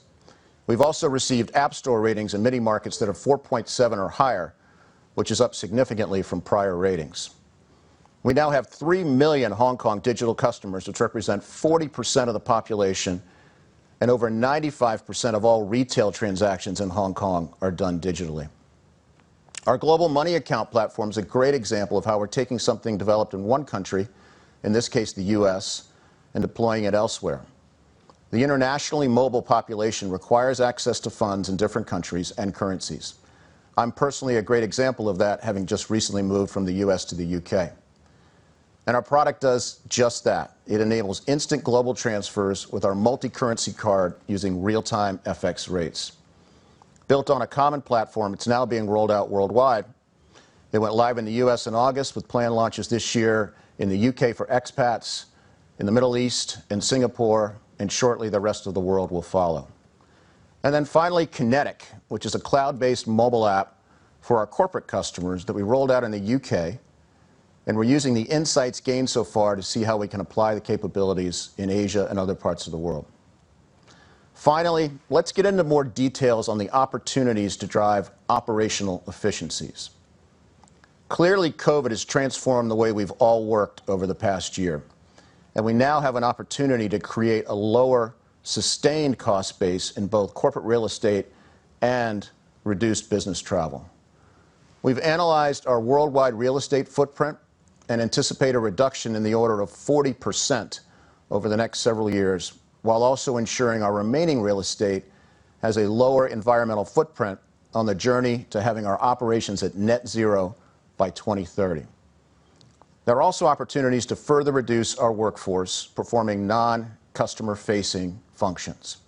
We've also received app store ratings in many markets that are 4.7 or higher, which is up significantly from prior ratings. We now have three million Hong Kong digital customers, which represent 40% of the population and over 95% of all retail transactions in Hong Kong are done digitally. Our Global Money Account platform is a great example of how we're taking something developed in one country, in this case, the U.S., and deploying it elsewhere. The internationally mobile population requires access to funds in different countries and currencies. I'm personally a great example of that, having just recently moved from the U.S. to the U.K. Our product does just that. It enables instant global transfers with our multicurrency card using real-time FX rates. Built on a common platform, it's now being rolled out worldwide. It went live in the U.S. in August with planned launches this year in the U.K. for expats, in the Middle East, in Singapore, shortly, the rest of the world will follow. Finally, Kinetic, which is a cloud-based mobile app for our corporate customers that we rolled out in the U.K., we're using the insights gained so far to see how we can apply the capabilities in Asia and other parts of the world. Finally, let's get into more details on the opportunities to drive operational efficiencies. Clearly, COVID has transformed the way we've all worked over the past year, and we now have an opportunity to create a lower, sustained cost base in both corporate real estate and reduced business travel. We've analyzed our worldwide real estate footprint and anticipate a reduction in the order of 40% over the next several years, while also ensuring our remaining real estate has a lower environmental footprint on the journey to having our operations at net zero by 2030. There are also opportunities to further reduce our workforce performing non-customer-facing functions.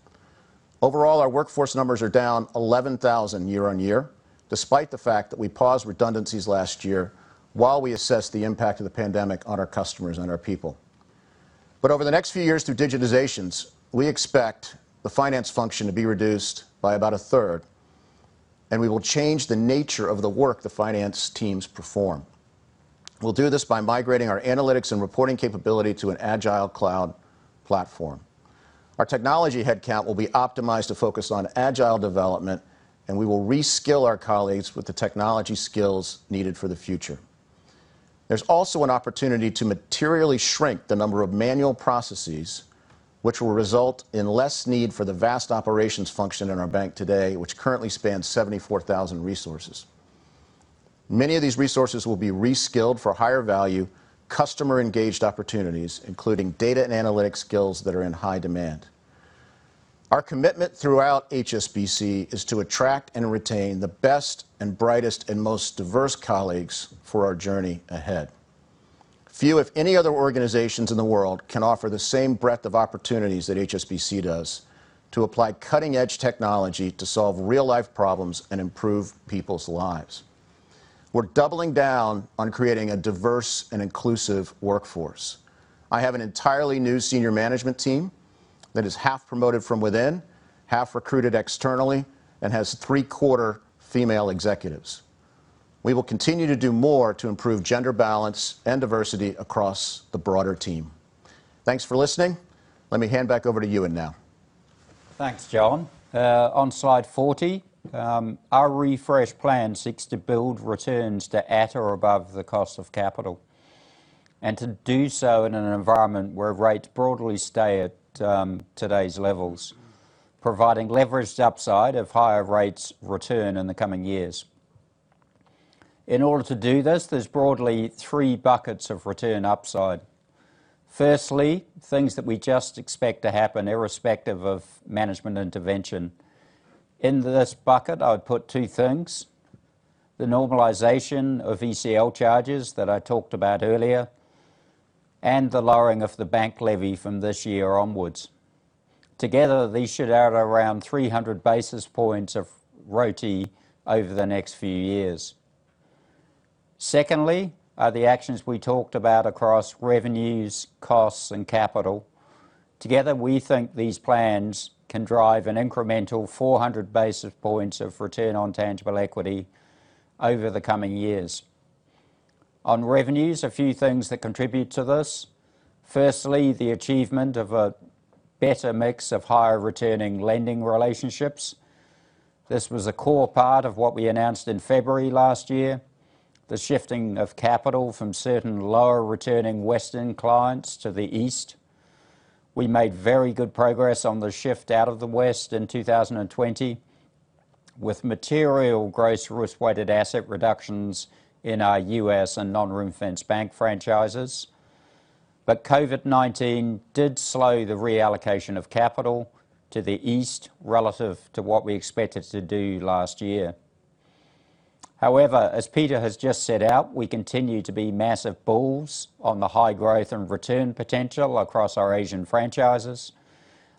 Overall, our workforce numbers are down 11,000 year-on-year, despite the fact that we paused redundancies last year while we assessed the impact of the pandemic on our customers and our people. Over the next few years through digitizations, we expect the finance function to be reduced by about a third, and we will change the nature of the work the finance teams perform. We'll do this by migrating our analytics and reporting capability to an agile cloud platform. Our technology headcount will be optimized to focus on agile development, and we will reskill our colleagues with the technology skills needed for the future. There's also an opportunity to materially shrink the number of manual processes, which will result in less need for the vast operations function in our bank today, which currently spans 74,000 resources. Many of these resources will be reskilled for higher-value customer-engaged opportunities, including data and analytics skills that are in high demand. Our commitment throughout HSBC is to attract and retain the best and brightest and most diverse colleagues for our journey ahead. Few, if any, other organizations in the world can offer the same breadth of opportunities that HSBC does to apply cutting-edge technology to solve real-life problems and improve people's lives. We're doubling down on creating a diverse and inclusive workforce. I have an entirely new senior management team that is half promoted from within, half recruited externally, and has three-quarter female executives. We will continue to do more to improve gender balance and diversity across the broader team. Thanks for listening. Let me hand back over to Ewen now. Thanks, John. On slide 40, our refreshed plan seeks to build returns to at or above the cost of capital, to do so in an environment where rates broadly stay at today's levels, providing leveraged upside if higher rates return in the coming years. In order to do this, there's broadly three buckets of return upside. Firstly, things that we just expect to happen irrespective of management intervention. In this bucket, I would put two things, the normalization of ECL charges that I talked about earlier and the lowering of the bank levy from this year onwards. Together, these should add around 300 basis points of ROTE over the next few years. Secondly are the actions we talked about across revenues, costs, and capital. Together, we think these plans can drive an incremental 400 basis points of return on tangible equity over the coming years. Revenues, a few things that contribute to this. Firstly, the achievement of a better mix of higher-returning lending relationships. This was a core part of what we announced in February last year. The shifting of capital from certain lower-returning Western clients to the East. We made very good progress on the shift out of the West in 2020 with material gross risk-weighted asset reductions in our U.S. and non-ring-fenced bank franchises. COVID-19 did slow the reallocation of capital to the East relative to what we expected to do last year. However, as Peter has just set out, we continue to be massive bulls on the high growth and return potential across our Asian franchises.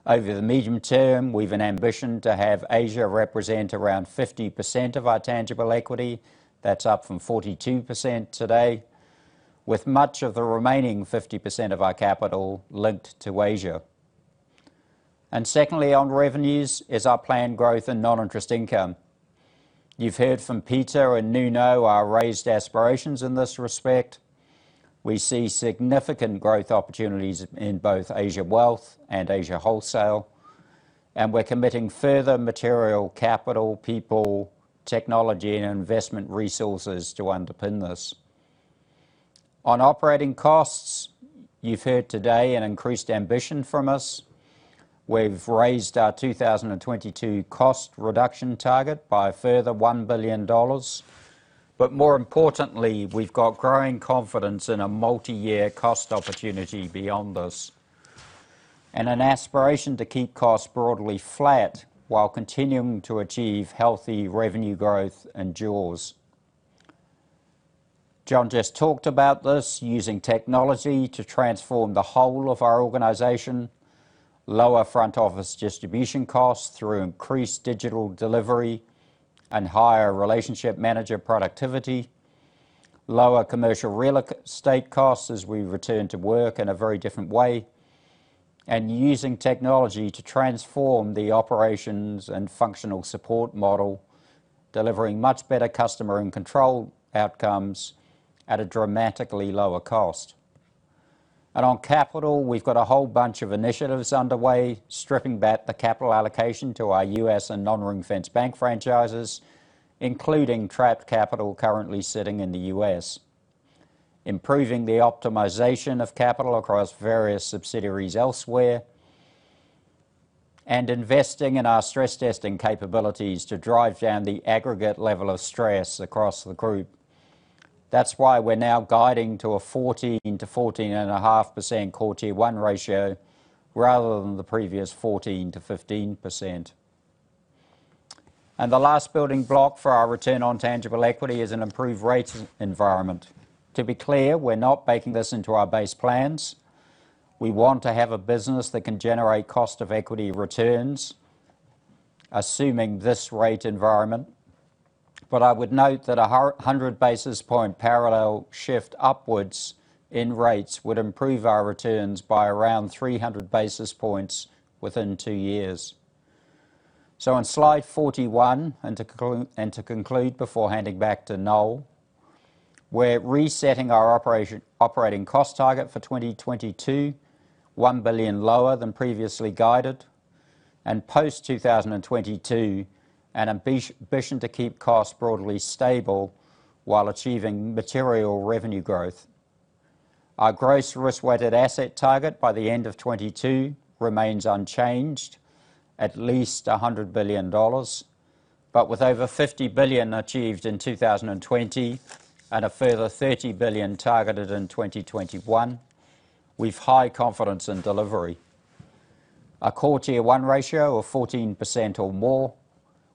Over the medium term, we've an ambition to have Asia represent around 50% of our tangible equity. That's up from 42% today, with much of the remaining 50% of our capital linked to Asia. Secondly on revenues is our planned growth in non-interest income. You've heard from Peter and Nuno our raised aspirations in this respect. We see significant growth opportunities in both Asia Wealth and Asia Wholesale, and we're committing further material, capital, people, technology, and investment resources to underpin this. On operating costs, you've heard today an increased ambition from us. We've raised our 2022 cost reduction target by a further $1 billion. More importantly, we've got growing confidence in a multi-year cost opportunity beyond this and an aspiration to keep costs broadly flat while continuing to achieve healthy revenue growth and Jaws. John just talked about this, using technology to transform the whole of our organization. Lower front office distribution costs through increased digital delivery and higher relationship manager productivity. Lower commercial real estate costs as we return to work in a very different way. Using technology to transform the operations and functional support model, delivering much better customer and control outcomes at a dramatically lower cost. On capital, we've got a whole bunch of initiatives underway, stripping back the capital allocation to our U.S. and non-ring-fenced bank franchises, including trapped capital currently sitting in the U.S., improving the optimization of capital across various subsidiaries elsewhere, and investing in our stress testing capabilities to drive down the aggregate level of stress across the group. That's why we're now guiding to a 14%-14.5% Core Tier 1 ratio, rather than the previous 14%-15%. The last building block for our return on tangible equity is an improved rate environment. To be clear, we're not baking this into our base plans. We want to have a business that can generate cost of equity returns, assuming this rate environment. I would note that 100 basis point parallel shift upwards in rates would improve our returns by around 300 basis points within two years. On slide 41, and to conclude before handing back to Noel, we're resetting our operating cost target for 2022, $1 billion lower than previously guided. Post-2022, an ambition to keep costs broadly stable while achieving material revenue growth. Our gross risk-weighted asset target by the end of 2022 remains unchanged, at least $100 billion, but with over $50 billion achieved in 2020 and a further $30 billion targeted in 2021, with high confidence in delivery. A Core Tier 1 ratio of 14% or more,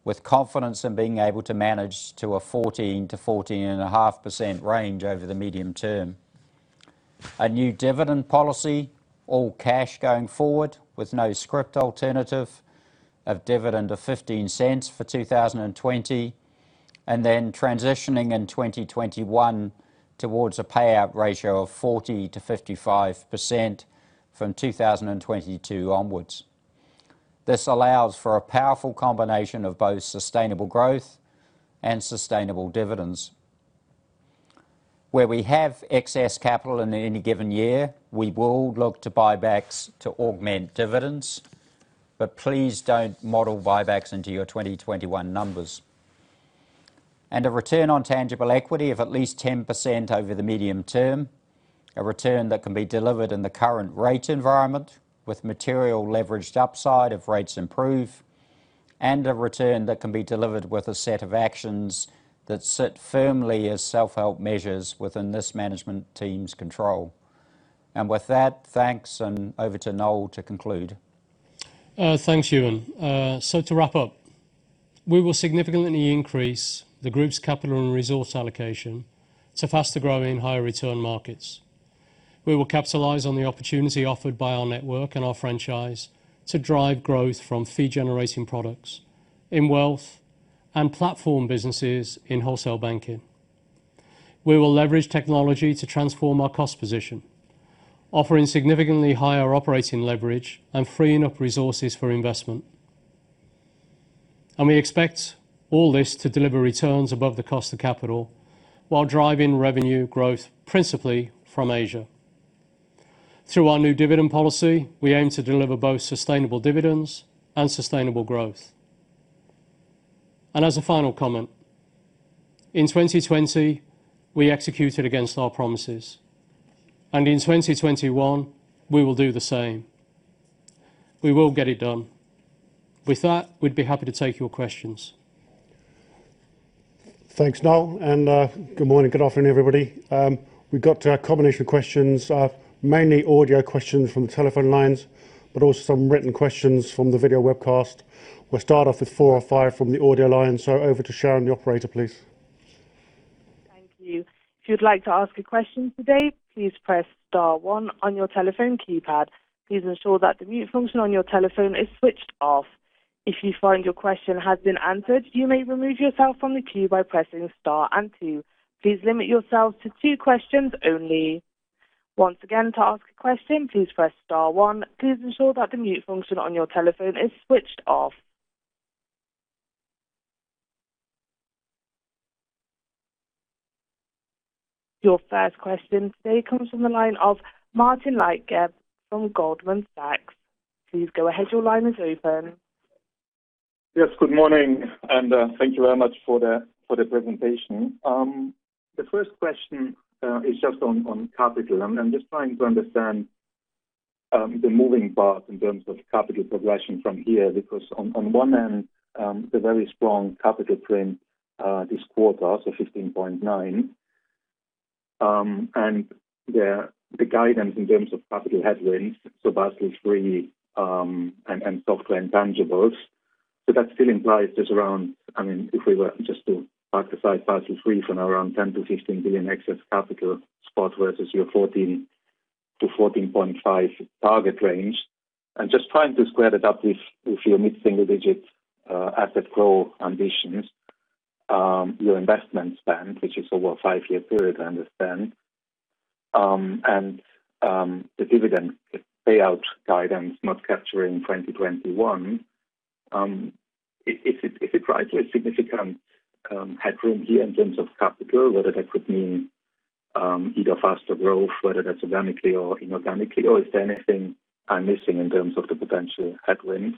with confidence in being able to manage to a 14%-14.5% range over the medium term. A new dividend policy, all cash going forward with no scrip alternative, of dividend of $0.15 for 2020, and then transitioning in 2021 towards a payout ratio of 40%-55% from 2022 onwards. This allows for a powerful combination of both sustainable growth and sustainable dividends. Where we have excess capital in any given year, we will look to buybacks to augment dividends, but please don't model buybacks into your 2021 numbers. A return on tangible equity of at least 10% over the medium term, a return that can be delivered in the current rate environment with material leveraged upside if rates improve, and a return that can be delivered with a set of actions that sit firmly as self-help measures within this management team's control. With that, thanks, and over to Noel to conclude. Thanks, Ewen. To wrap up, we will significantly increase the group's capital and resource allocation to faster-growing higher return markets. We will capitalize on the opportunity offered by our network and our franchise to drive growth from fee-generating products in wealth and platform businesses in wholesale banking. We will leverage technology to transform our cost position, offering significantly higher operating leverage and freeing up resources for investment. We expect all this to deliver returns above the cost of capital while driving revenue growth, principally from Asia. Through our new dividend policy, we aim to deliver both sustainable dividends and sustainable growth. As a final comment, in 2020, we executed against our promises, and in 2021 we will do the same. We will get it done. With that, we'd be happy to take your questions. Thanks, Noel. Good morning, good afternoon, everybody. We got a combination of questions, mainly audio questions from the telephone lines, but also some written questions from the video webcast. We'll start off with four or five from the audio line. Over to Sharon, the Operator, please. Thank you. If you'd like to ask a question today, please press star one on your telephone keypad. Please ensure that the mute function on your telephone is switched off. If you find your question has been answered, you may remove yourself from the queue by pressing star and two. Please limit yourselves to two questions only. Once again, to ask a question, please press star one. Please ensure that the mute function on your telephone is switched off. Your first question today comes from the line of Martin Leitgeb from Goldman Sachs. Please go ahead. Your line is open. Yes, good morning, and thank you very much for the presentation. The first question is just on capital. I'm just trying to understand the moving parts in terms of capital progression from here, because on one end, the very strong capital print this quarter, so 15.9%, and the guidance in terms of capital headwinds, so Basel III and software intangibles. That still implies just around, if we were just to park aside Basel III for now, around $10 billion-$15 billion excess capital spot versus your 14%-14.5% target range. I'm just trying to square that up with your mid-single-digit asset growth ambitions, your investment spend, which is over a five-year period, I understand, and the dividend payout guidance not capturing 2021. Is it right to have significant headroom here in terms of capital, whether that could mean either faster growth, whether that's organically or inorganically, or is there anything I'm missing in terms of the potential headwinds?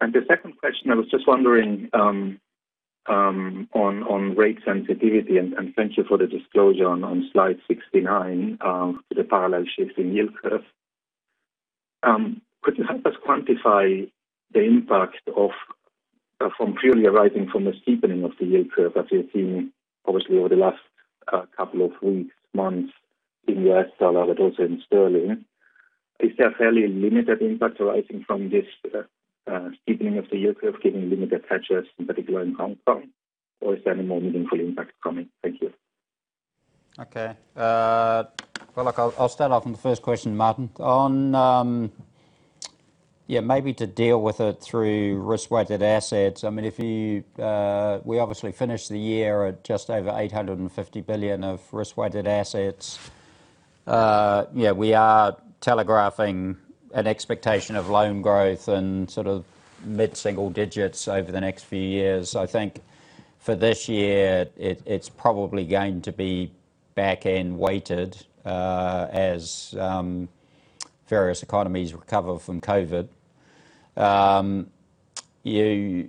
The second question, I was just wondering On rate sensitivity, thank you for the disclosure on slide 69, the parallel shift in yield curve. Could you help us quantify the impact from purely arising from the steepening of the yield curve that we've seen obviously over the last couple of weeks, months, in U.S. dollar, but also in GBP? Is there a fairly limited impact arising from this steepening of the yield curve giving limited pressures, in particular in Hong Kong? Is there any more meaningful impact coming? Thank you. Well, look, I'll start off on the first question, Martin. Maybe to deal with it through RWAs. We obviously finished the year at just over 850 billion of RWAs. We are telegraphing an expectation of loan growth in mid-single digits over the next few years. I think for this year, it's probably going to be back-end weighted as various economies recover from COVID.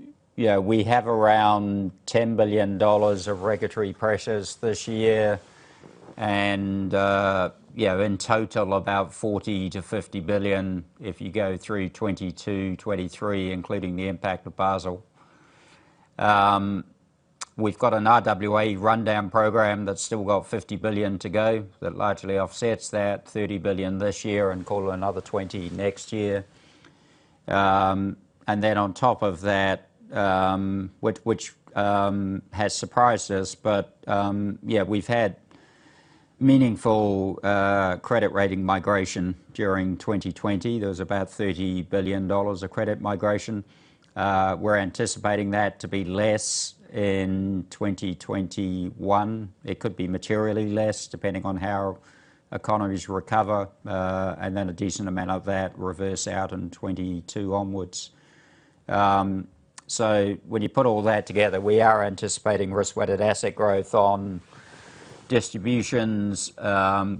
We have around $10 billion of regulatory pressures this year and in total, about $40 billion-$50 billion if you go through 2022, 2023, including the impact of Basel. We've got an RWA rundown program that's still got $50 billion to go. That largely offsets that $30 billion this year, and call it another $20 billion next year. On top of that, which has surprised us, but we've had meaningful credit rating migration during 2020. There was about $30 billion of credit migration. We're anticipating that to be less in 2021. It could be materially less, depending on how economies recover, and then a decent amount of that reverse out in 2022 onwards. When you put all that together, we are anticipating risk-weighted asset growth on distributions.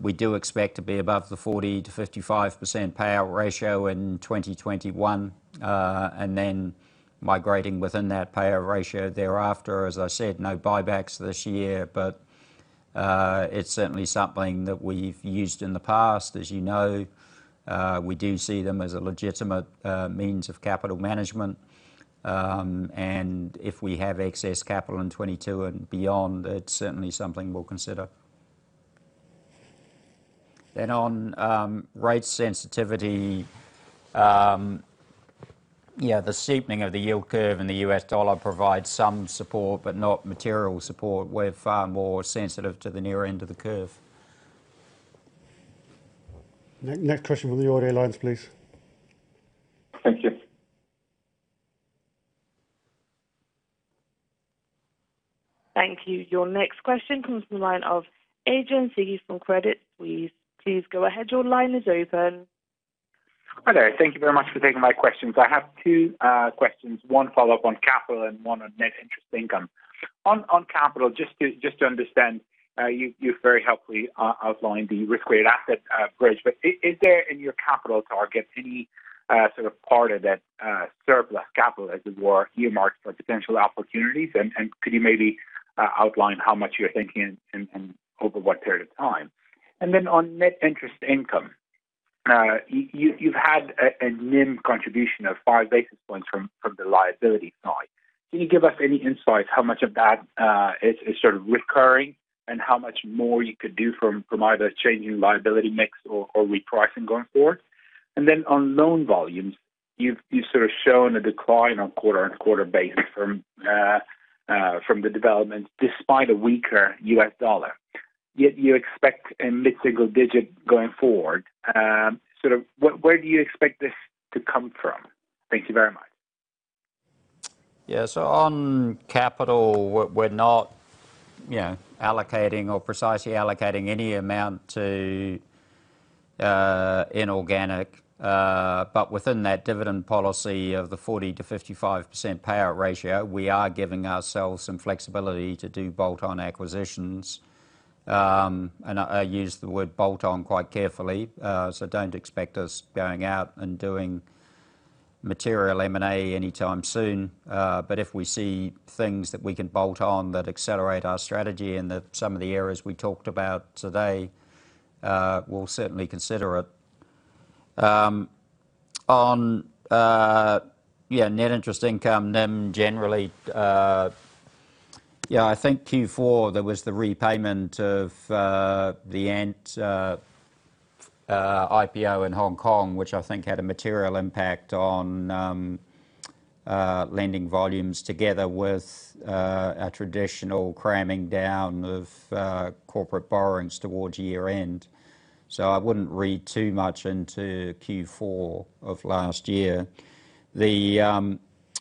We do expect to be above the 40%-55% payout ratio in 2021, and then migrating within that payout ratio thereafter. As I said, no buybacks this year, but it's certainly something that we've used in the past. As you know, we do see them as a legitimate means of capital management, and if we have excess capital in 2022 and beyond, it's certainly something we'll consider. On rate sensitivity, the steepening of the yield curve in the U.S. dollar provides some support, but not material support. We're far more sensitive to the nearer end of the curve. Next question from the audio lines, please. Thank you. Thank you. Your next question comes from the line of Adrian Cighi from Credit Suisse. Please go ahead. Your line is open. Hello. Thank you very much for taking my questions. I have two questions. One follow-up on capital and one on net interest income. On capital, just to understand, you've very helpfully outlined the risk-weighted asset bridge. Is there, in your capital targets, any sort of part of that surplus capital, as it were, earmarked for potential opportunities? Could you maybe outline how much you're thinking and over what period of time? On net interest income, you've had a NIM contribution of five basis points from the liability side. Can you give us any insight how much of that is recurring and how much more you could do from either changing liability mix or repricing going forward? On loan volumes, you've shown a decline on quarter-on-quarter basis from the development despite a weaker U.S. dollar. Yet you expect a mid-single digit going forward. Where do you expect this to come from? Thank you very much. On capital, we're not precisely allocating any amount to inorganic. But within that dividend policy of the 40%-55% payout ratio, we are giving ourselves some flexibility to do bolt-on acquisitions. I use the word bolt-on quite carefully, so don't expect us going out and doing material M&A anytime soon. If we see things that we can bolt on that accelerate our strategy in some of the areas we talked about today, we'll certainly consider it. On net interest income, NIM, generally, I think Q4, there was the repayment of the Ant IPO in Hong Kong, which I think had a material impact on lending volumes together with a traditional cramming down of corporate borrowings towards year-end. I wouldn't read too much into Q4 of last year.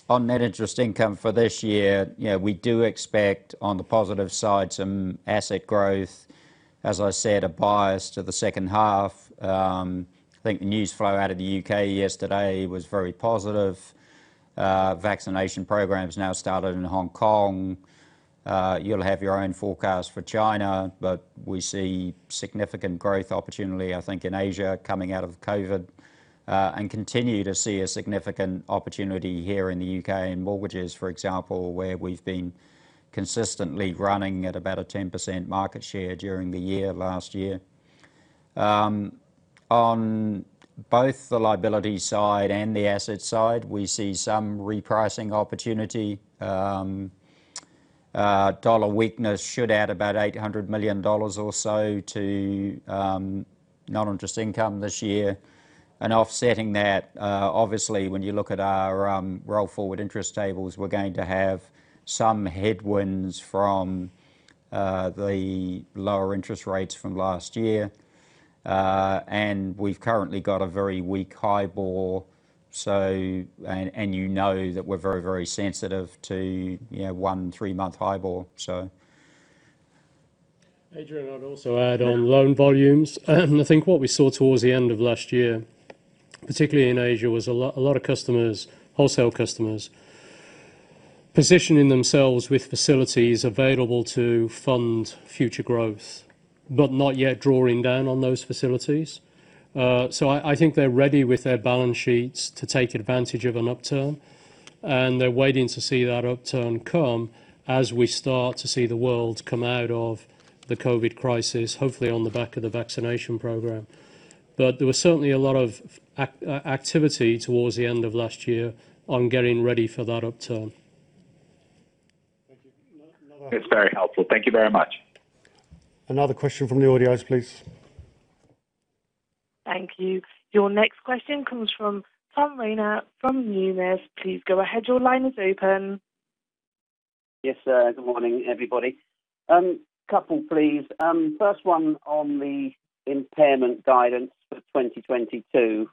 On net interest income for this year, we do expect, on the positive side, some asset growth. As I said, a bias to the second half. I think the news flow out of the U.K. yesterday was very positive. Vaccination program's now started in Hong Kong. You'll have your own forecast for China, but we see significant growth opportunity, I think, in Asia coming out of COVID, and continue to see a significant opportunity here in the U.K. in mortgages, for example, where we've been consistently running at about a 10% market share during the year last year. On both the liability side and the asset side, we see some repricing opportunity. dollar weakness should add about $800 million or so to non-interest income this year. Offsetting that, obviously when you look at our roll-forward interest tables, we're going to have some headwinds from the lower interest rates from last year. We've currently got a very weak HIBOR. You know that we're very sensitive to one, three-month HIBOR. Adrian, I'd also add on loan volumes. I think what we saw towards the end of last year, particularly in Asia, was a lot of wholesale customers positioning themselves with facilities available to fund future growth, but not yet drawing down on those facilities. I think they're ready with their balance sheets to take advantage of an upturn, and they're waiting to see that upturn come as we start to see the world come out of the COVID crisis, hopefully on the back of the vaccination program. There was certainly a lot of activity towards the end of last year on getting ready for that upturn. It is very helpful. Thank you very much. Another question from the audios, please. Thank you. Your next question comes from Tom Rayner from Numis. Please go ahead. Your line is open. Yes, good morning, everybody. Couple, please. First one on the impairment guidance for 2022,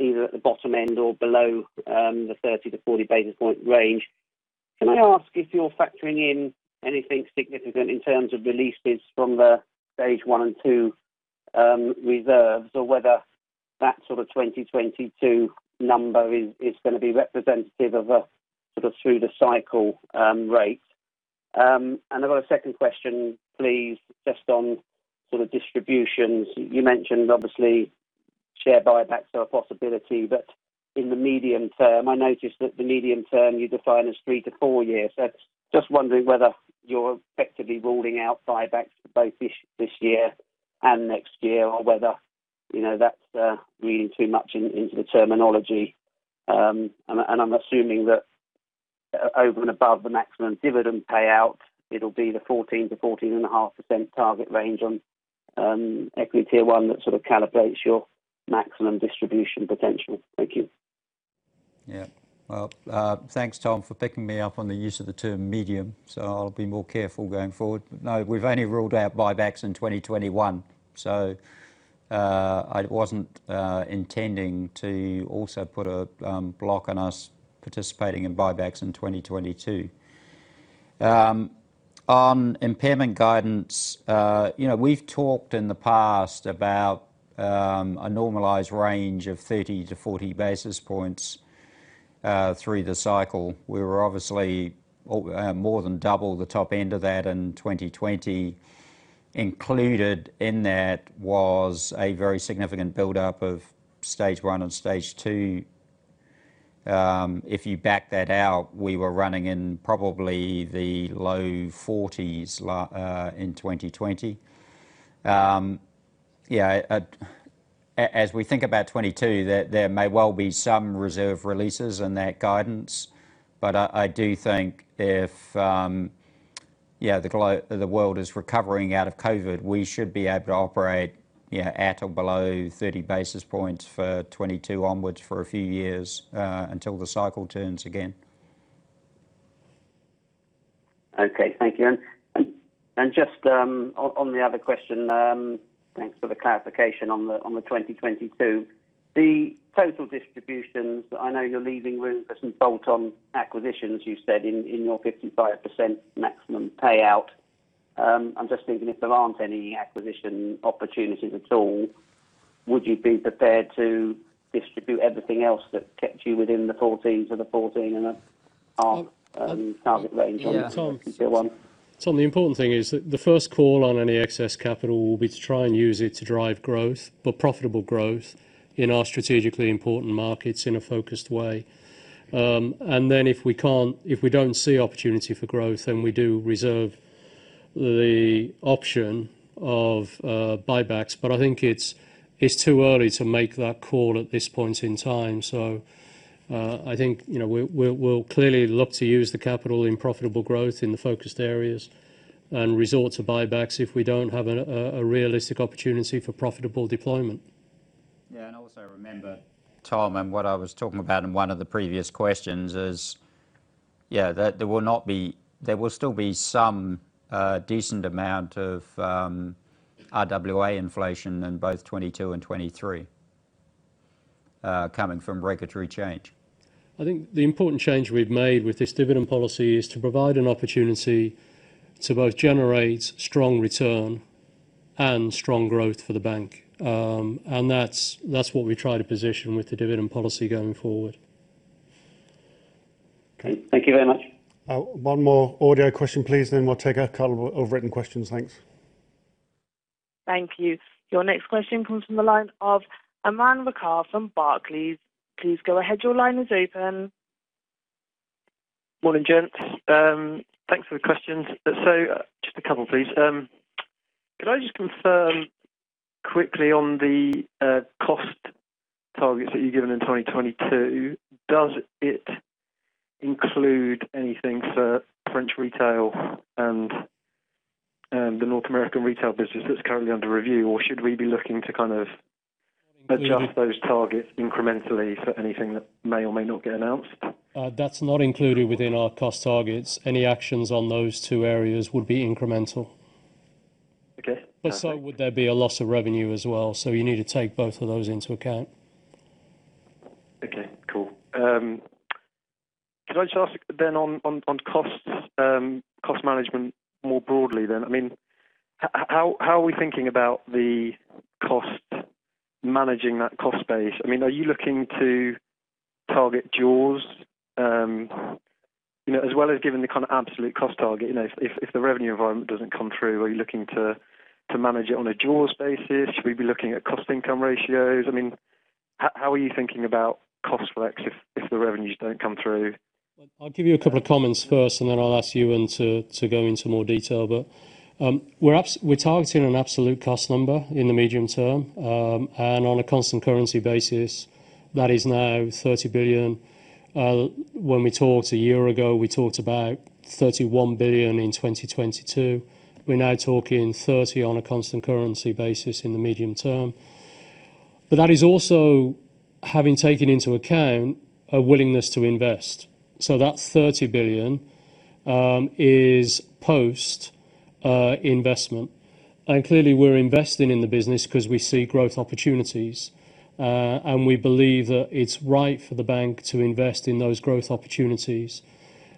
either at the bottom end or below the 30-40 basis point range. Can I ask if you're factoring in anything significant in terms of releases from the stage one and two reserves, or whether that sort of 2022 number is going to be representative of a sort of through the cycle rate? I've got a second question please, just on sort of distributions. You mentioned obviously share buybacks are a possibility, but in the medium term, I noticed that the medium term you define as 3-4 years. Just wondering whether you're effectively ruling out buybacks for both this year and next year or whether that's reading too much into the terminology. I'm assuming that over and above the maximum dividend payout, it'll be the 14%-14.5% target range on equity one that sort of calibrates your maximum distribution potential. Thank you. Yeah. Well, thanks, Tom, for picking me up on the use of the term medium. I'll be more careful going forward. No, we've only ruled out buybacks in 2021, so, I wasn't intending to also put a block on us participating in buybacks in 2022. On impairment guidance, we've talked in the past about, a normalized range of 30-40 basis points, through the cycle. We were obviously more than double the top end of that in 2020. Included in that was a very significant buildup of stage one and stage two. If you back that out, we were running in probably the low 40s in 2020. Yeah, as we think about 2022, there may well be some reserve releases in that guidance, but I do think if the world is recovering out of COVID, we should be able to operate at or below 30 basis points for 2022 onwards for a few years, until the cycle turns again. Okay. Thank you. Just on the other question, thanks for the clarification on the 2022. The total distributions, I know you're leaving room for some bolt-on acquisitions, you said in your 55% maximum payout. I'm just thinking if there aren't any acquisition opportunities at all, would you be prepared to distribute everything else that kept you within the 14-14.5 target range? Yeah. Tom, the important thing is that the first call on any excess capital will be to try and use it to drive growth, but profitable growth, in our strategically important markets in a focused way. If we don't see opportunity for growth, then we do reserve the option of buybacks. I think it's too early to make that call at this point in time. I think we'll clearly look to use the capital in profitable growth in the focused areas and resort to buybacks if we don't have a realistic opportunity for profitable deployment. Yeah, also remember, Tom, and what I was talking about in one of the previous questions is, yeah, there will still be some decent amount of RWA inflation in both 2022 and 2023, coming from regulatory change. I think the important change we've made with this dividend policy is to provide an opportunity to both generate strong return and strong growth for the bank. That's what we try to position with the dividend policy going forward. Okay. Thank you very much. One more audio question, please, then we'll take a couple of written questions. Thanks. Thank you. Your next question comes from the line of Aman Rakkar from Barclays. Please go ahead. Morning, gents. Thanks for the questions. Just a couple, please. Could I just confirm quickly on the cost targets that you've given in 2022, does it include anything for French retail and the North American retail business that's currently under review? Should we be looking to kind of adjust those targets incrementally for anything that may or may not get announced? That's not included within our cost targets. Any actions on those two areas would be incremental. Okay. Would there be a loss of revenue as well, so you need to take both of those into account. Okay. Cool. Could I just ask then on costs, cost management more broadly then. How are we thinking about the cost, managing that cost base? Are you looking to target Jaws? As well as giving the kind of absolute cost target, if the revenue environment doesn't come through, are you looking to manage it on a Jaws basis? Should we be looking at cost income ratios? How are you thinking about cost flex if the revenues don't come through? Well, I'll give you a couple of comments first, and then I'll ask Ewen to go into more detail. We're targeting an absolute cost number in the medium term. On a constant currency basis, that is now $30 billion. When we talked a year ago, we talked about $31 billion in 2022. We're now talking $30 billion on a constant currency basis in the medium term. That is also having taken into account a willingness to invest. That $30 billion is post investment. Clearly we're investing in the business because we see growth opportunities. We believe that it's right for the bank to invest in those growth opportunities.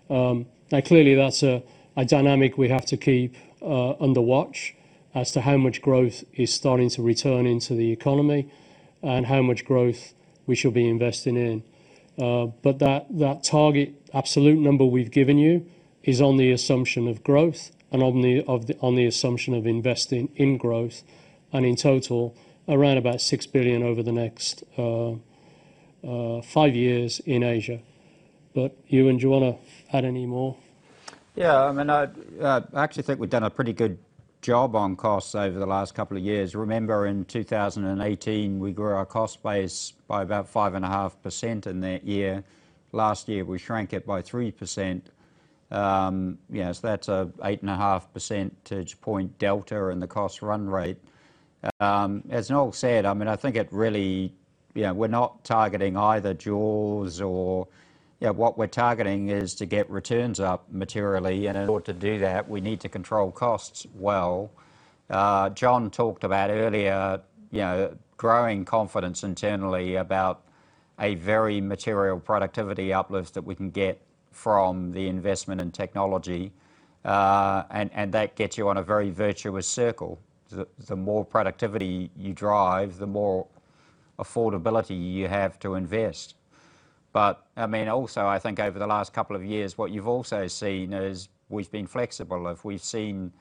Clearly that's a dynamic we have to keep under watch as to how much growth is starting to return into the economy and how much growth we should be investing in. That target absolute number we've given you is on the assumption of growth and on the assumption of investing in growth, and in total, around about $6 billion over the next five years in Asia. Ewen, do you want to add any more? I actually think we've done a pretty good job on costs over the last couple of years. Remember, in 2018, we grew our cost base by about 5.5% in that year. Last year we shrank it by 3%. That's a 8.5 percentage point delta in the cost run rate. As Noel said, we're not targeting either Jaws or What we're targeting is to get returns up materially, and in order to do that, we need to control costs well. John talked about earlier growing confidence internally about a very material productivity uplift that we can get from the investment in technology. That gets you on a very virtuous circle. The more productivity you drive, the more affordability you have to invest. Also, I think over the last couple of years, what you've also seen is we've been flexible. If we've seen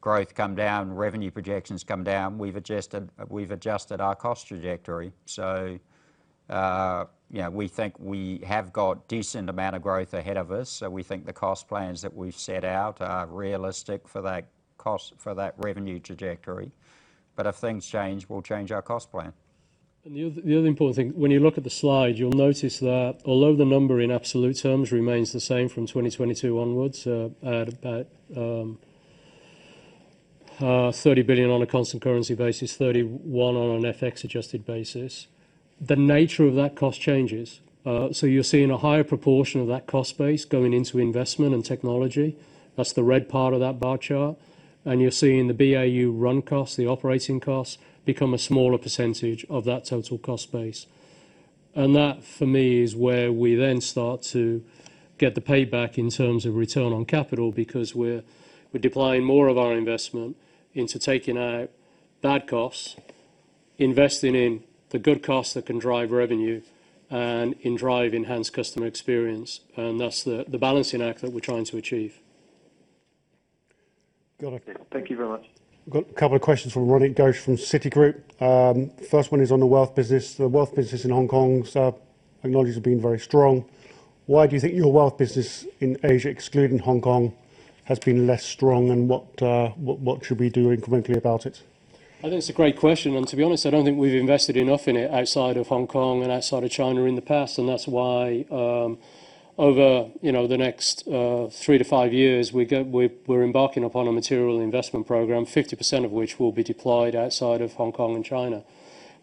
growth come down, revenue projections come down, we've adjusted our cost trajectory. We think we have got decent amount of growth ahead of us. We think the cost plans that we've set out are realistic for that revenue trajectory. If things change, we'll change our cost plan. The other important thing, when you look at the slide, you will notice that although the number in absolute terms remains the same from 2022 onwards, at about $30 billion on a constant currency basis, $31 on an FX adjusted basis. The nature of that cost changes. You're seeing a higher proportion of that cost base going into investment and technology. That's the red part of that bar chart. You're seeing the BAU run costs, the operating costs, become a smaller percentage of that total cost base. That, for me, is where we then start to get the payback in terms of return on capital, because we're deploying more of our investment into taking out bad costs, investing in the good costs that can drive revenue and drive enhanced customer experience. That's the balancing act that we're trying to achieve. Got it. Thank you very much. Got a couple of questions from Ronit Ghose from Citigroup. First one is on the wealth business. The wealth business in Hong Kong, so I acknowledge has been very strong. Why do you think your wealth business in Asia, excluding Hong Kong, has been less strong, and what should we do incrementally about it? I think it's a great question. To be honest, I don't think we've invested enough in it outside of Hong Kong and outside of China in the past. That's why over the next three to five years, we're embarking upon a material investment program, 50% of which will be deployed outside of Hong Kong and China.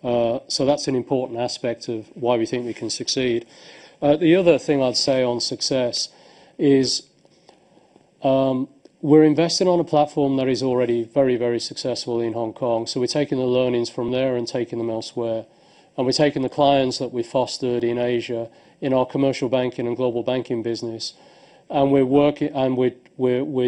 That's an important aspect of why we think we can succeed. The other thing I'd say on success is we're investing on a platform that is already very, very successful in Hong Kong. We're taking the learnings from there and taking them elsewhere. We're taking the clients that we fostered in Asia in our Commercial Banking and Global Banking business, and we're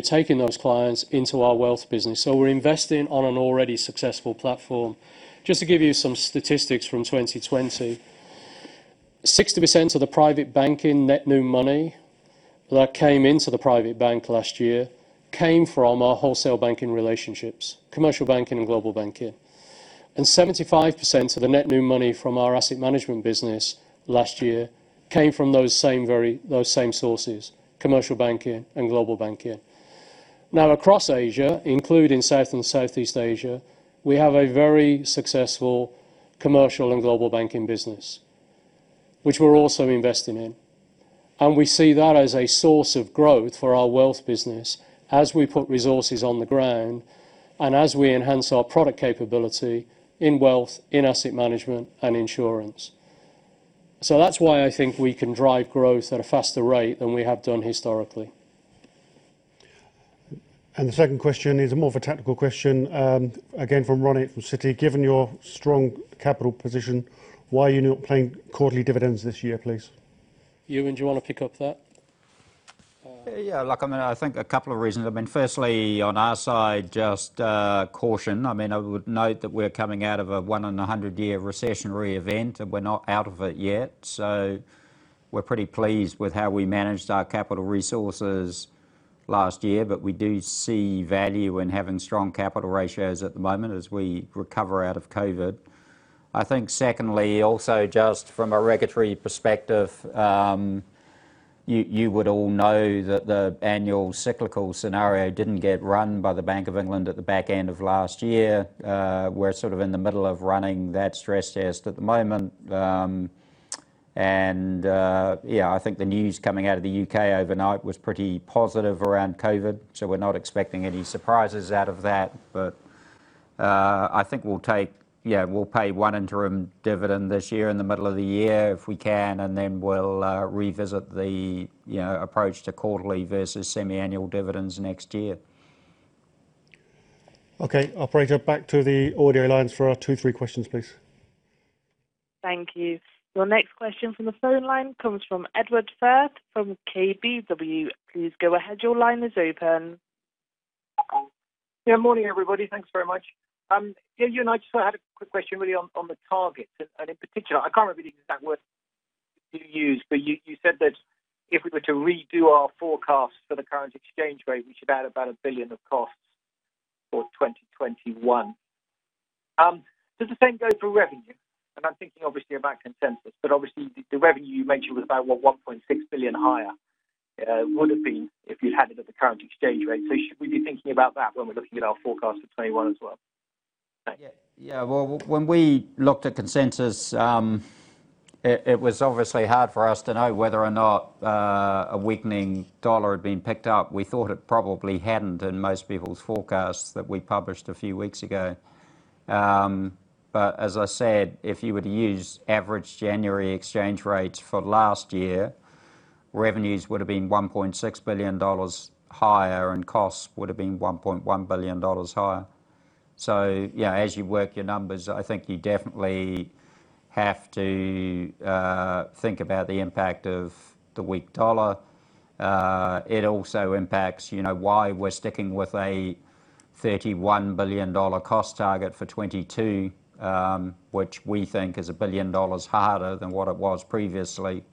taking those clients into our wealth business. We're investing on an already successful platform. Just to give you some statistics from 2020, 60% of the private banking net new money that came into the private bank last year came from our wholesale banking relationships, Commercial Banking and Global Banking. 75% of the net new money from our asset management business last year came from those same sources, Commercial Banking and Global Banking. Across Asia, including South and Southeast Asia, we have a very successful Commercial and Global Banking business, which we're also investing in. We see that as a source of growth for our wealth business as we put resources on the ground and as we enhance our product capability in wealth, in asset management, and insurance. That's why I think we can drive growth at a faster rate than we have done historically. The second question is more of a tactical question, again, from Ronit from Citi. Given your strong capital position, why are you not paying quarterly dividends this year, please? Ewen, do you want to pick up that? Yeah. I think a couple of reasons. Firstly, on our side, just caution. I would note that we're coming out of a one in 100-year recessionary event, and we're not out of it yet. We're pretty pleased with how we managed our capital resources last year. We do see value in having strong capital ratios at the moment as we recover out of COVID. I think secondly, also just from a regulatory perspective, you would all know that the annual cyclical scenario didn't get run by the Bank of England at the back end of last year. We're sort of in the middle of running that stress test at the moment. Yeah, I think the news coming out of the U.K. overnight was pretty positive around COVID, so we're not expecting any surprises out of that. I think we'll pay one interim dividend this year in the middle of the year if we can, and then we'll revisit the approach to quarterly versus semi-annual dividends next year. Okay, Operator, back to the audio lines for our two, three questions, please. Thank you. Your next question from the phone line comes from Edward Firth from KBW. Please go ahead. Your line is open. Morning, everybody. Thanks very much. Ewen, I just had a quick question really on the targets, and in particular, I can't remember the exact words you used, but you said that if we were to redo our forecast for the current exchange rate, we should add about $1 billion of costs for 2021. Does the same go for revenue? I'm thinking obviously about consensus, but obviously the revenue you mentioned was about what, $1.6 billion higher it would have been if you'd had it at the current exchange rate. Should we be thinking about that when we're looking at our forecast for 2021 as well? Thanks. Yeah. Well, when we looked at consensus, it was obviously hard for us to know whether or not a weakening dollar had been picked up. We thought it probably hadn't in most people's forecasts that we published a few weeks ago. As I said, if you were to use average January exchange rates for last year, revenues would have been $1.6 billion higher, and costs would have been $1.1 billion higher. Yeah, as you work your numbers, I think you definitely have to think about the impact of the weak dollar. It also impacts why we're sticking with a $31 billion cost target for 2022, which we think is a billion harder than what it was previously.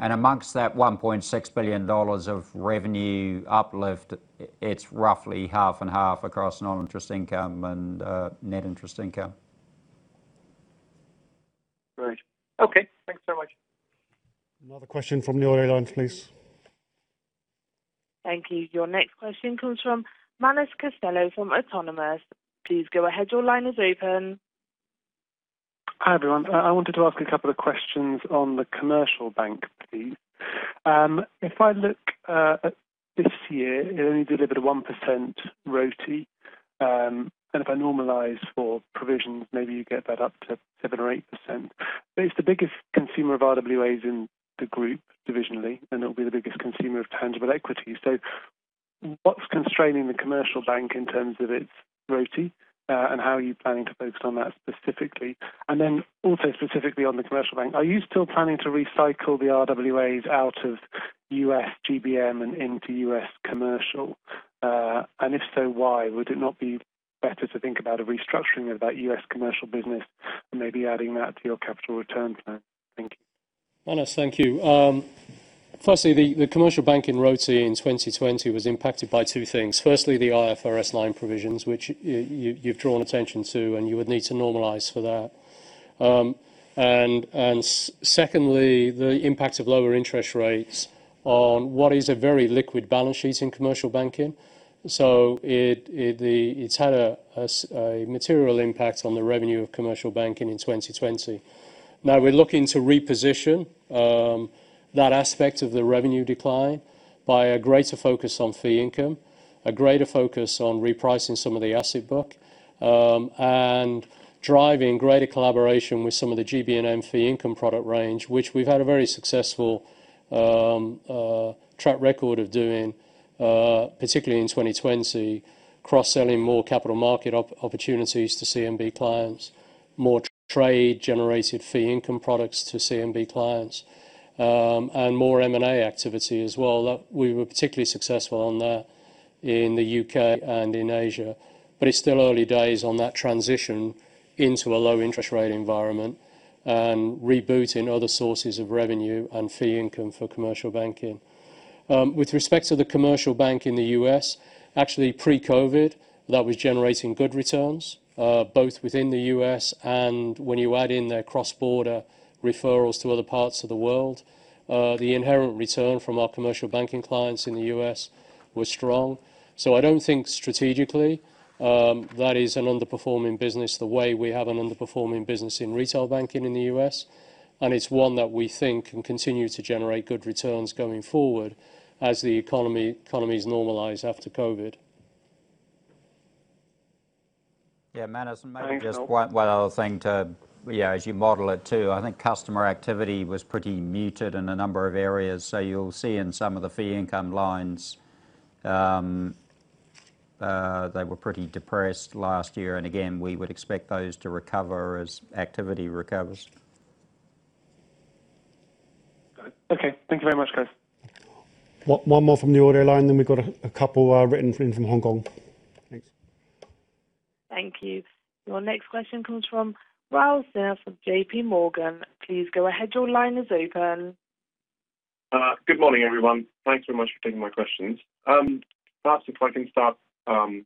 Amongst that $1.6 billion of revenue uplift, it's roughly half and half across non-interest income and net interest income. Great. Okay. Thanks so much. Another question from the audio lines, please. Thank you. Your next question comes from Manus Costello from Autonomous. Please go ahead. Your line is open. Hi, everyone. I wanted to ask a couple of questions on the Commercial Banking, please. If I look at this year, it only delivered a 1% ROTE. If I normalize for provisions, maybe you get that up to 7% or 8%. It's the biggest consumer of RWAs in the group divisionally, and it'll be the biggest consumer of tangible equity. What's constraining the Commercial Banking in terms of its ROTE? How are you planning to focus on that specifically? Also specifically on the Commercial Banking, are you still planning to recycle the RWAs out of U.S. GBM and into U.S. Commercial? If so, why? Would it not be better to think about a restructuring of that U.S. Commercial business and maybe adding that to your capital return plan? Thank you. Manus, thank you. Firstly, the Commercial Banking ROTE in 2020 was impacted by two things. Firstly, the IFRS 9 provisions, which you've drawn attention to, you would need to normalize for that. Secondly, the impact of lower interest rates on what is a very liquid balance sheet in Commercial Banking. It's had a material impact on the revenue of Commercial Banking in 2020. We're looking to reposition that aspect of the revenue decline by a greater focus on fee income, a greater focus on repricing some of the asset book, and driving greater collaboration with some of the GBM fee income product range, which we've had a very successful track record of doing, particularly in 2020, cross-selling more capital market opportunities to CMB clients, more trade-generated fee income products to CMB clients, and more M&A activity as well. We were particularly successful on that in the U.K. and in Asia. It's still early days on that transition into a low interest rate environment and rebooting other sources of revenue and fee income for Commercial Banking. With respect to the Commercial Banking in the U.S., actually pre-COVID, that was generating good returns, both within the U.S. and when you add in their cross-border referrals to other parts of the world. The inherent return from our Commercial Banking clients in the U.S. was strong. I don't think strategically that is an underperforming business the way we have an underperforming business in retail banking in the U.S. It's one that we think can continue to generate good returns going forward as the economies normalize after COVID. Manus, maybe just one other thing, as you model it too, I think customer activity was pretty muted in a number of areas. You'll see in some of the fee income lines, they were pretty depressed last year. Again, we would expect those to recover as activity recovers. Got it. Okay. Thank you very much, guys. One more from the audio line, then we've got a couple written in from Hong Kong. Thanks. Thank you. Your next question comes from Raul Sinha from JPMorgan. Please go ahead. Your line is open. Good morning, everyone. Thanks very much for taking my questions. Perhaps if I can start on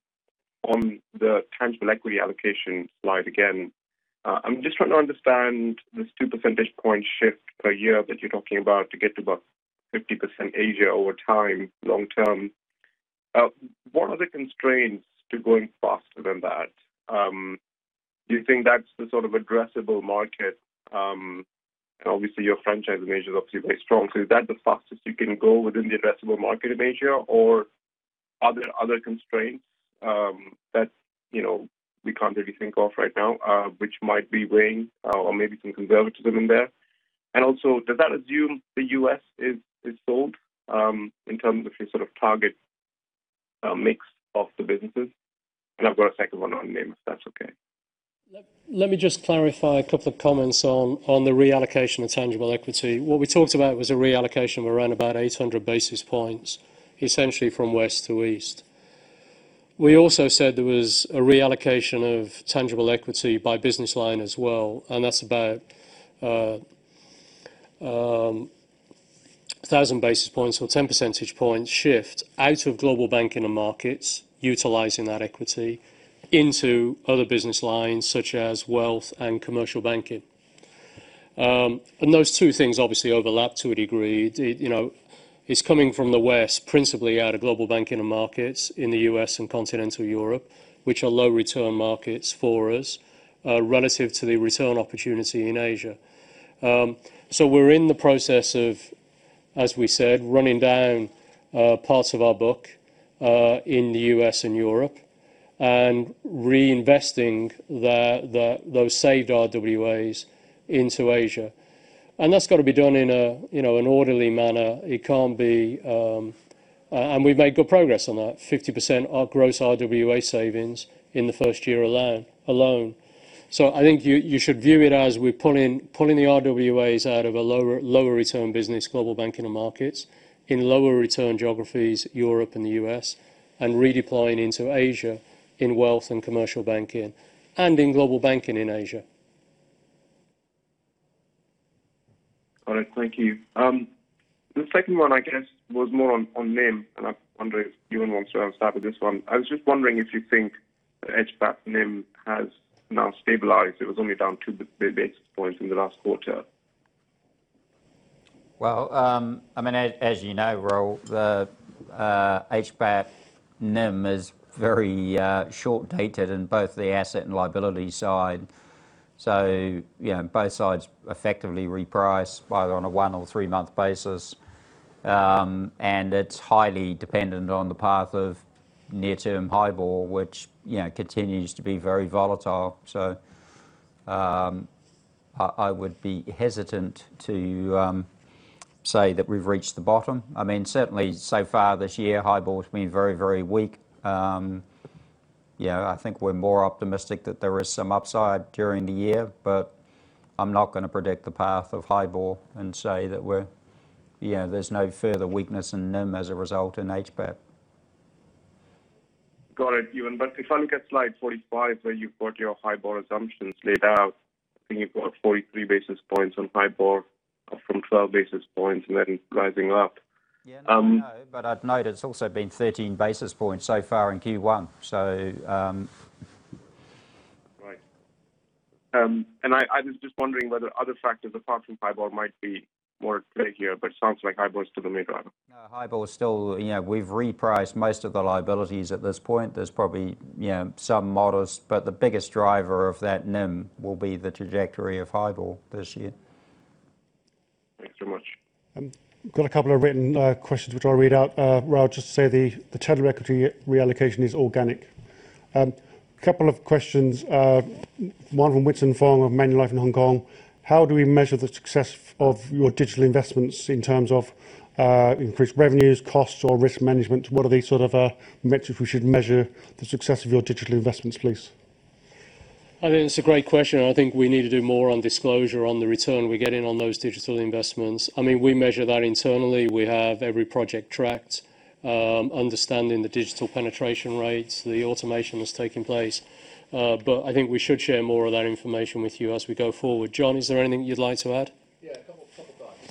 the tangible equity allocation slide again. I'm just trying to understand this two percentage point shift per year that you're talking about to get to about 50% Asia over time, long term. What are the constraints to going faster than that? Do you think that's the sort of addressable market? Obviously, your franchise in Asia is obviously very strong. Is that the fastest you can go within the addressable market in Asia? Or are there other constraints that we can't really think of right now which might be weighing or maybe some conservatism in there? Also, does that assume the U.S. is sold, in terms of your sort of target mix of the businesses? I've got a second one on NIM, if that's okay. Let me just clarify a couple of comments on the reallocation of tangible equity. What we talked about was a reallocation of around about 800 basis points, essentially from west to east. We also said there was a reallocation of tangible equity by business line as well, that's about 1,000 basis points or 10 percentage points shift out of Global Banking and Markets utilizing that equity into other business lines such as Wealth and Commercial Banking. Those two things obviously overlap to a degree. It's coming from the west, principally out of Global Banking and Markets in the U.S. and continental Europe, which are low return markets for us, relative to the return opportunity in Asia. We're in the process of, as we said, running down parts of our book in the U.S. and Europe and reinvesting those saved RWAs into Asia. That's got to be done in an orderly manner. We've made good progress on that. 50% of gross RWA savings in the first year alone. I think you should view it as we're pulling the RWAs out of a lower return business, Global Banking and Markets, in lower return geographies, Europe and the U.S., and redeploying into Asia in Wealth and Commercial Banking and in Global Banking in Asia. All right. Thank you. The second one, I guess, was more on NIM, and I wonder if Ewen wants to have a start with this one. I was just wondering if you think the HBAP NIM has now stabilized. It was only down two basis points in the last quarter. As you know, Raul, the HBAP NIM is very short-dated in both the asset and liability side. Both sides effectively reprice either on a one or three-month basis. It's highly dependent on the path of near-term HIBOR, which continues to be very volatile. I would be hesitant to say that we've reached the bottom. Certainly so far this year, HIBOR has been very, very weak. I think we're more optimistic that there is some upside during the year, but I'm not going to predict the path of HIBOR and say that there's no further weakness in NIM as a result in HBAP. Got it, Ewen. If I look at slide 45, where you've got your HIBOR assumptions laid out, I think you've got 43 basis points on HIBOR from 12 basis points, and then rising up. Yeah, no, but I'd note it's also been 13 basis points so far in Q1, so. Right. I was just wondering whether other factors apart from HIBOR might be more at play here. It sounds like HIBOR is still the main driver. We've repriced most of the liabilities at this point. There's probably some modest, but the biggest driver of that NIM will be the trajectory of HIBOR this year. Thanks so much. Got a couple of written questions which I'll read out. Raul, just to say the total equity reallocation is organic. Couple of questions, one from Winston Fong of Manulife in Hong Kong. How do we measure the success of your digital investments in terms of increased revenues, costs, or risk management? What are the sort of metrics we should measure the success of your digital investments, please? I think it's a great question. I think we need to do more on disclosure on the return we're getting on those digital investments. We measure that internally. We have every project tracked, understanding the digital penetration rates, the automation that's taking place. I think we should share more of that information with you as we go forward. John, is there anything you'd like to add?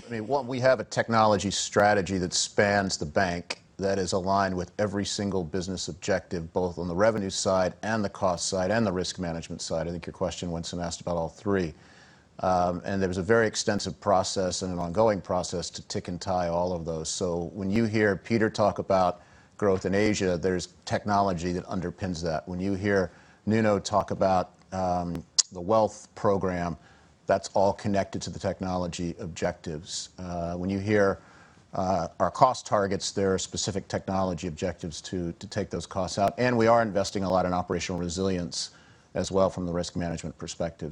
One, we have a technology strategy that spans the bank that is aligned with every single business objective, both on the revenue side and the cost side, and the risk management side. I think your question, Winston, asked about all three. There was a very extensive process and an ongoing process to tick and tie all of those. When you hear Peter talk about growth in Asia, there's technology that underpins that. When you hear Nuno talk about the wealth program, that's all connected to the technology objectives. When you hear our cost targets, there are specific technology objectives to take those costs out, and we are investing a lot in operational resilience as well from the risk management perspective.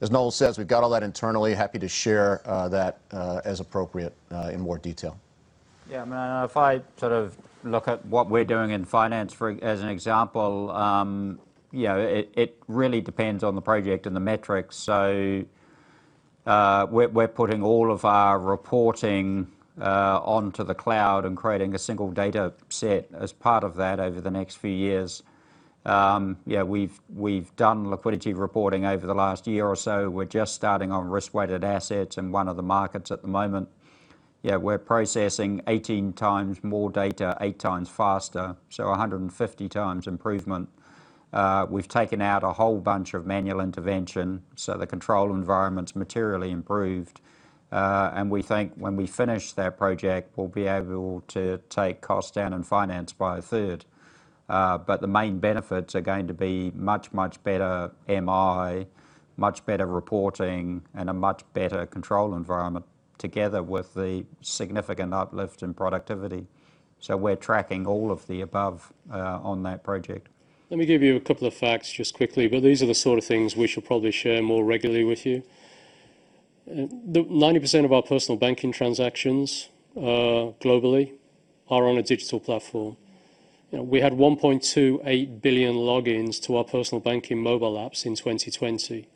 As Noel says, we've got all that internally. Happy to share that, as appropriate, in more detail. Yeah, if I look at what we're doing in finance as an example, it really depends on the project and the metrics. We're putting all of our reporting onto the cloud and creating a single data set as part of that over the next few years. We've done liquidity reporting over the last year or so. We're just starting on Risk-Weighted Assets in one of the markets at the moment. We're processing 18 times more data, eight times faster, 150 times improvement. We've taken out a whole bunch of manual intervention, so the control environment's materially improved. We think when we finish that project, we'll be able to take costs down in finance by a third. The main benefits are going to be much, much better MI, much better reporting, and a much better control environment together with the significant uplift in productivity. We're tracking all of the above on that project. Let me give you a couple of facts just quickly, but these are the sort of things we shall probably share more regularly with you. 90% of our personal banking transactions globally are on a digital platform. We had 1.28 billion logins to our personal banking mobile apps in 2020.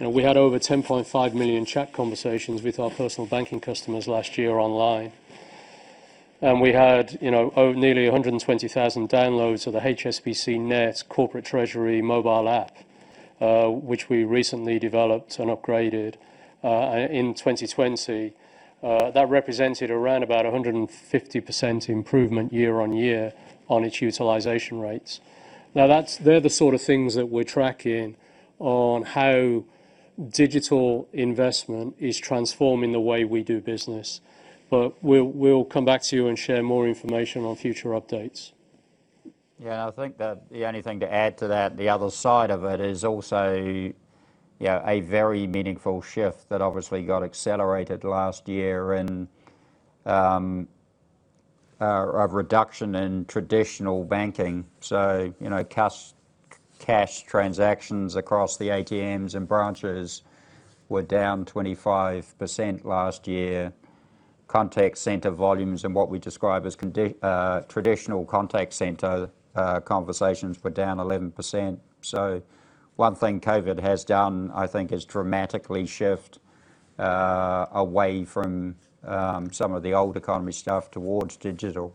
We had over 10.5 million chat conversations with our personal banking customers last year online. We had nearly 120,000 downloads of the HSBCnet Corporate Treasury mobile app, which we recently developed and upgraded in 2020. That represented around about 150% improvement year-on-year on its utilization rates. They're the sort of things that we're tracking on how digital investment is transforming the way we do business. We'll come back to you and share more information on future updates. Yeah, I think that the only thing to add to that, the other side of it is also a very meaningful shift that obviously got accelerated last year in a reduction in traditional banking. Cash transactions across the ATMs and branches were down 25% last year. Contact center volumes and what we describe as traditional contact center conversations were down 11%. One thing COVID has done, I think, is dramatically shift away from some of the old economy stuff towards digital.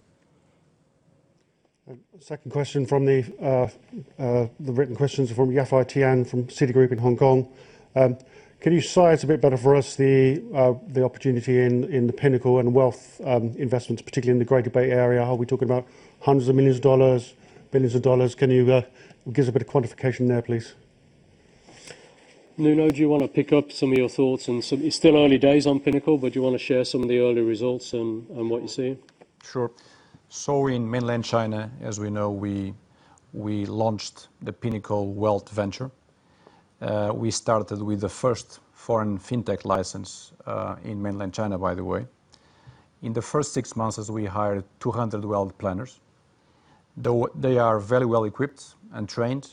Second question from the written questions are from Yafei Tian from Citigroup in Hong Kong. Can you size a bit better for us the opportunity in the Pinnacle and wealth investments, particularly in the Greater Bay Area? Are we talking about hundreds of millions dollars, billions of dollars? Can you give us a bit of quantification there, please? Nuno, do you want to pick up some of your thoughts? It's still early days on Pinnacle, but do you want to share some of the early results and what you see? Sure. In mainland China, as we know, we launched the Pinnacle wealth venture. We started with the first foreign fintech license in mainland China, by the way. In the first six months as we hired 200 wealth planners. They are very well-equipped and trained.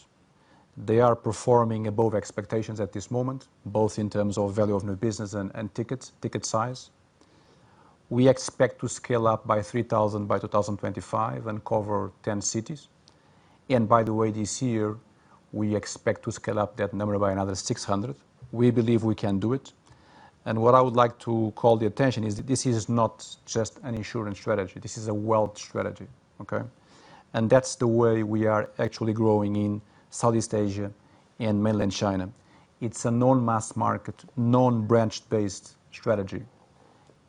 They are performing above expectations at this moment, both in terms of value of new business and ticket size. We expect to scale up by 3,000 by 2025 and cover 10 cities. By the way, this year, we expect to scale up that number by another 600. We believe we can do it. What I would like to call the attention is this is not just an insurance strategy. This is a wealth strategy, okay? That's the way we are actually growing in Southeast Asia and mainland China. It's a non-mass market, non-branch-based strategy.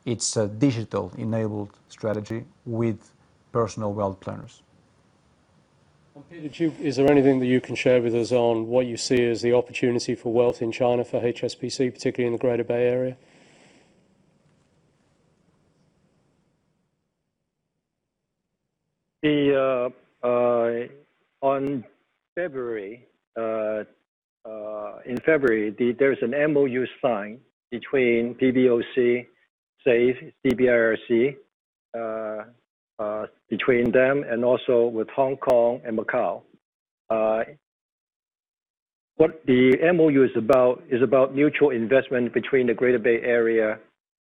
It's a digital-enabled strategy with personal wealth planners. Peter, is there anything that you can share with us on what you see as the opportunity for wealth in China for HSBC, particularly in the Greater Bay Area? In February, there is an MOU signed between PBOC, SAFE, CBRC, between them and also with Hong Kong and Macau. What the MOU is about is about mutual investment between the Greater Bay Area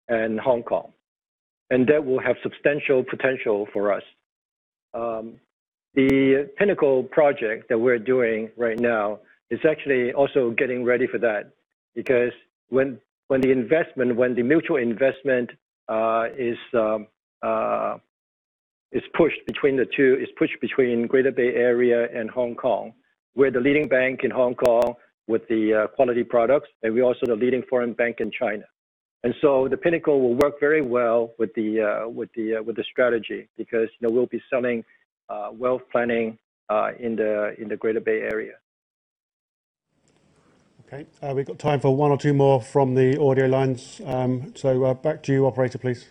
and Hong Kong, and that will have substantial potential for us. The Pinnacle project that we are doing right now is actually also getting ready for that because when the mutual investment is pushed between the two. It's pushed between Greater Bay Area and Hong Kong. We're the leading bank in Hong Kong with the quality products, and we're also the leading foreign bank in China. The Pinnacle will work very well with the strategy because we'll be selling wealth planning in the Greater Bay Area. Okay. We've got time for one or two more from the audio lines. Back to you, Operator, please.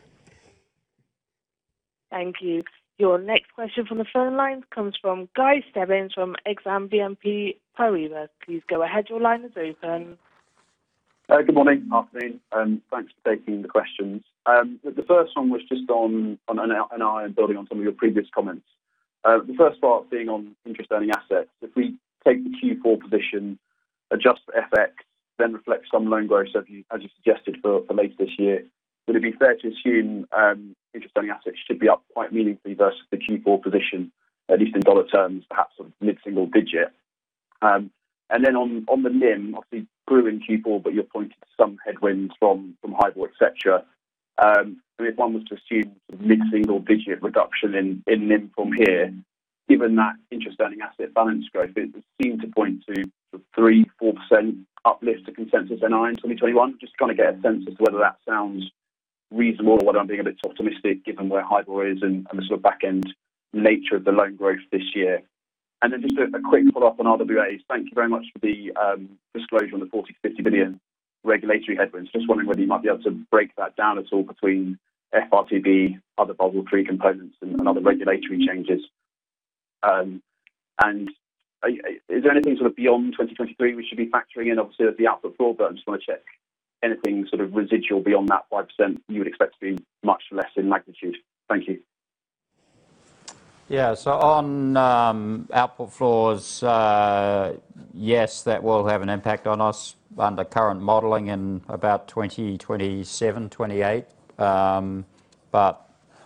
Thank you. Your next question from the phone lines comes from Guy Stebbings from Exane BNP Paribas. Please go ahead. Your line is open. Good morning, Martin. Thanks for taking the questions. The first one was an eye on building on some of your previous comments. The first part being on interest-earning assets. If we take the Q4 position, adjust for FX, then reflect some loan growth, as you suggested, for later this year, would it be fair to assume interest-earning assets should be up quite meaningfully versus the Q4 position, at least in dollar terms, perhaps mid-single-digit? On the NIM, obviously grew in Q4, but you're pointing to some headwinds from HIBOR, et cetera. If one was to assume mid-single-digit reduction in NIM from here, given that interest-earning asset balance growth, it would seem to point to 3%, 4% uplift to consensus NII in 2021. Just trying to get a sense as to whether that sounds reasonable or whether I'm being a bit too optimistic given where HIBOR is and the sort of back end nature of the loan growth this year. Then just a quick follow-up on RWAs. Thank you very much for the disclosure on the $40 billion-$50 billion regulatory headwinds. Just wondering whether you might be able to break that down at all between FRTB, other Basel III components, and other regulatory changes. Is there anything sort of beyond 2023 we should be factoring in? Obviously, there's the output floor, I just want to check anything sort of residual beyond that 5% you would expect to be much less in magnitude. Thank you. On output floors, yes, that will have an impact on us under current modeling in about 2027, 2028.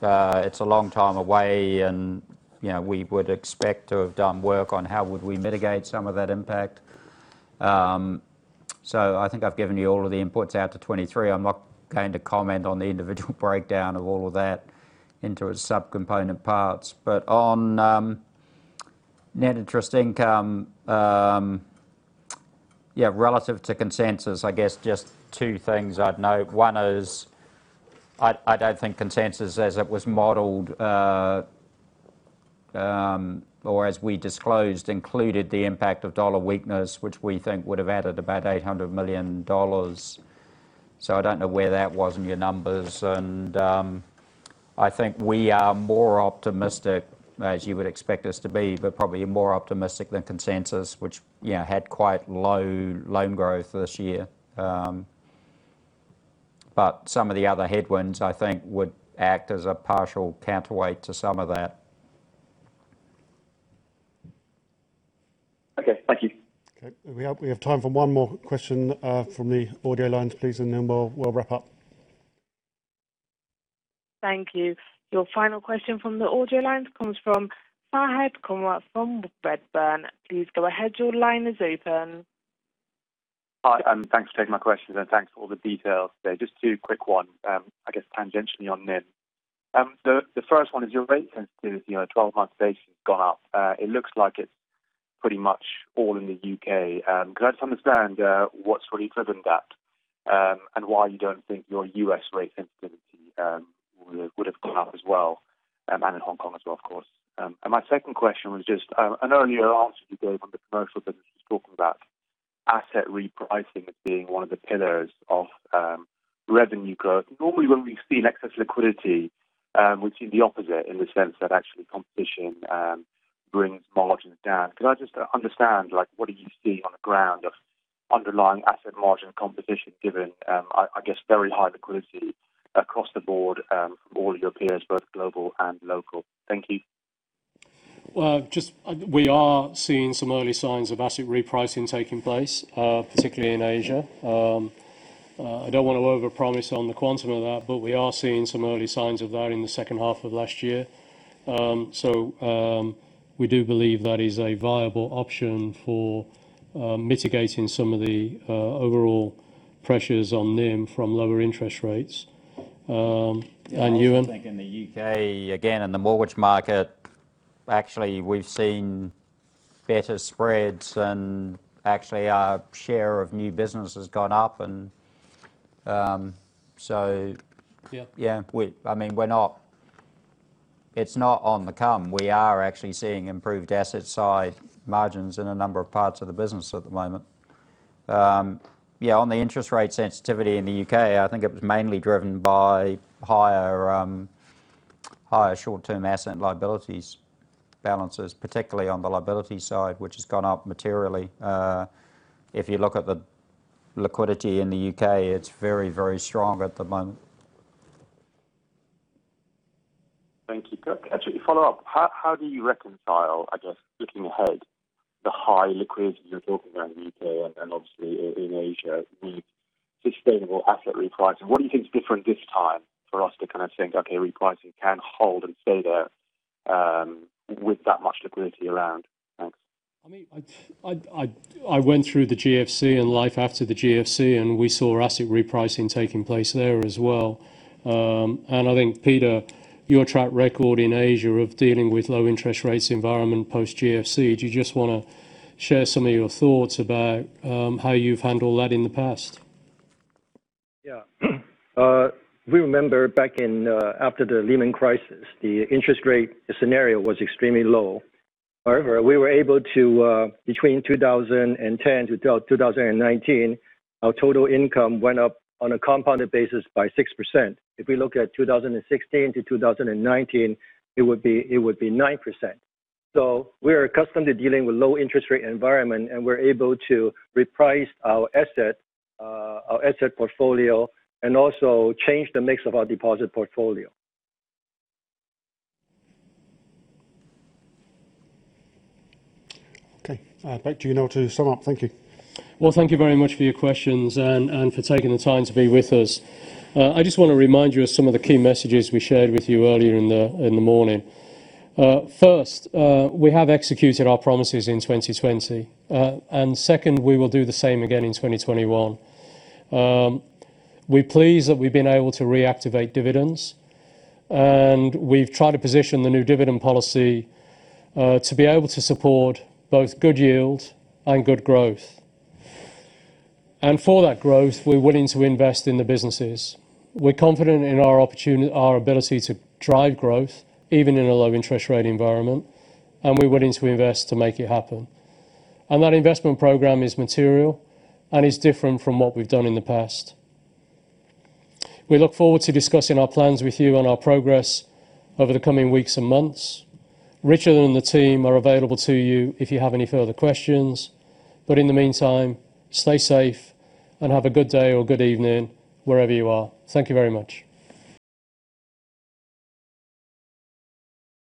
It's a long time away, and we would expect to have done work on how would we mitigate some of that impact. I think I've given you all of the inputs out to 2023. I'm not going to comment on the individual breakdown of all of that into its subcomponent parts. On net interest income, relative to consensus, I guess just two things I'd note. One is I don't think consensus as it was modeled, or as we disclosed, included the impact of dollar weakness, which we think would have added about $800 million. I don't know where that was in your numbers. I think we are more optimistic, as you would expect us to be, but probably more optimistic than consensus, which had quite low loan growth this year. Some of the other headwinds, I think, would act as a partial counterweight to some of that. Okay. Thank you. Okay. We have time for one more question from the audio lines, please, and then we'll wrap up. Thank you. Your final question from the audio lines comes from Fahed Kunwar from Redburn. Please go ahead. Your line is open. Hi, thanks for taking my questions, and thanks for all the details today. Just two quick one, I guess tangentially on NIM. The first one is your rate sensitivity, your 12-month rate has gone up. It looks like it's pretty much all in the U.K. Could I just understand what's really driven that, and why you don't think your U.S. rate sensitivity would have gone up as well, and in Hong Kong as well, of course? My second question was just, I know in your answer today on the Commercial Banking business, you talked about asset repricing as being one of the pillars of revenue growth. Normally, when we've seen excess liquidity, we've seen the opposite in the sense that actually competition brings margins down. Could I just understand what are you seeing on the ground of underlying asset margin competition, given, I guess, very high liquidity across the board from all your peers, both global and local? Thank you. Well, just we are seeing some early signs of asset repricing taking place, particularly in Asia. I don't want to overpromise on the quantum of that, but we are seeing some early signs of that in the second half of last year. So we do believe that is a viable option for mitigating some of the overall pressures on NIM from lower interest rates. Ewen? I also think in the U.K., again, in the mortgage market, actually, we've seen better spreads, and actually our share of new business has gone up. It's not on the come. We are actually seeing improved asset side margins in a number of parts of the business at the moment. On the interest rate sensitivity in the U.K., I think it was mainly driven by higher short-term asset and liabilities balances, particularly on the liability side, which has gone up materially. If you look at the liquidity in the U.K., it's very, very strong at the moment. Thank you. Can I actually follow up? How do you reconcile, I guess, looking ahead, the high liquidity you're talking about in the U.K. and obviously in Asia with sustainable asset repricing? What do you think is different this time for us to kind of think, okay, repricing can hold and stay there with that much liquidity around? Thanks. I went through the GFC and life after the GFC, and we saw asset repricing taking place there as well. I think, Peter, your track record in Asia of dealing with low interest rates environment post GFC, do you just want to share some of your thoughts about how you've handled that in the past? Yeah. We remember back after the Lehman crisis, the interest rate scenario was extremely low. We were able to, between 2010-2019, our total income went up on a compounded basis by 6%. If we look at 2016 to 2019, it would be 9%. We are accustomed to dealing with low interest rate environment, and we're able to reprice our asset portfolio and also change the mix of our deposit portfolio. Okay. Back to you, Noel, to sum up. Thank you. Well, thank you very much for your questions and for taking the time to be with us. I just want to remind you of some of the key messages we shared with you earlier in the morning. First, we have executed our promises in 2020. Second, we will do the same again in 2021. We're pleased that we've been able to reactivate dividends, and we've tried to position the new dividend policy to be able to support both good yield and good growth. For that growth, we're willing to invest in the businesses. We're confident in our ability to drive growth, even in a low interest rate environment, and we're willing to invest to make it happen. That investment program is material and is different from what we've done in the past. We look forward to discussing our plans with you on our progress over the coming weeks and months. Richard and the team are available to you if you have any further questions. In the meantime, stay safe and have a good day or good evening wherever you are. Thank you very much.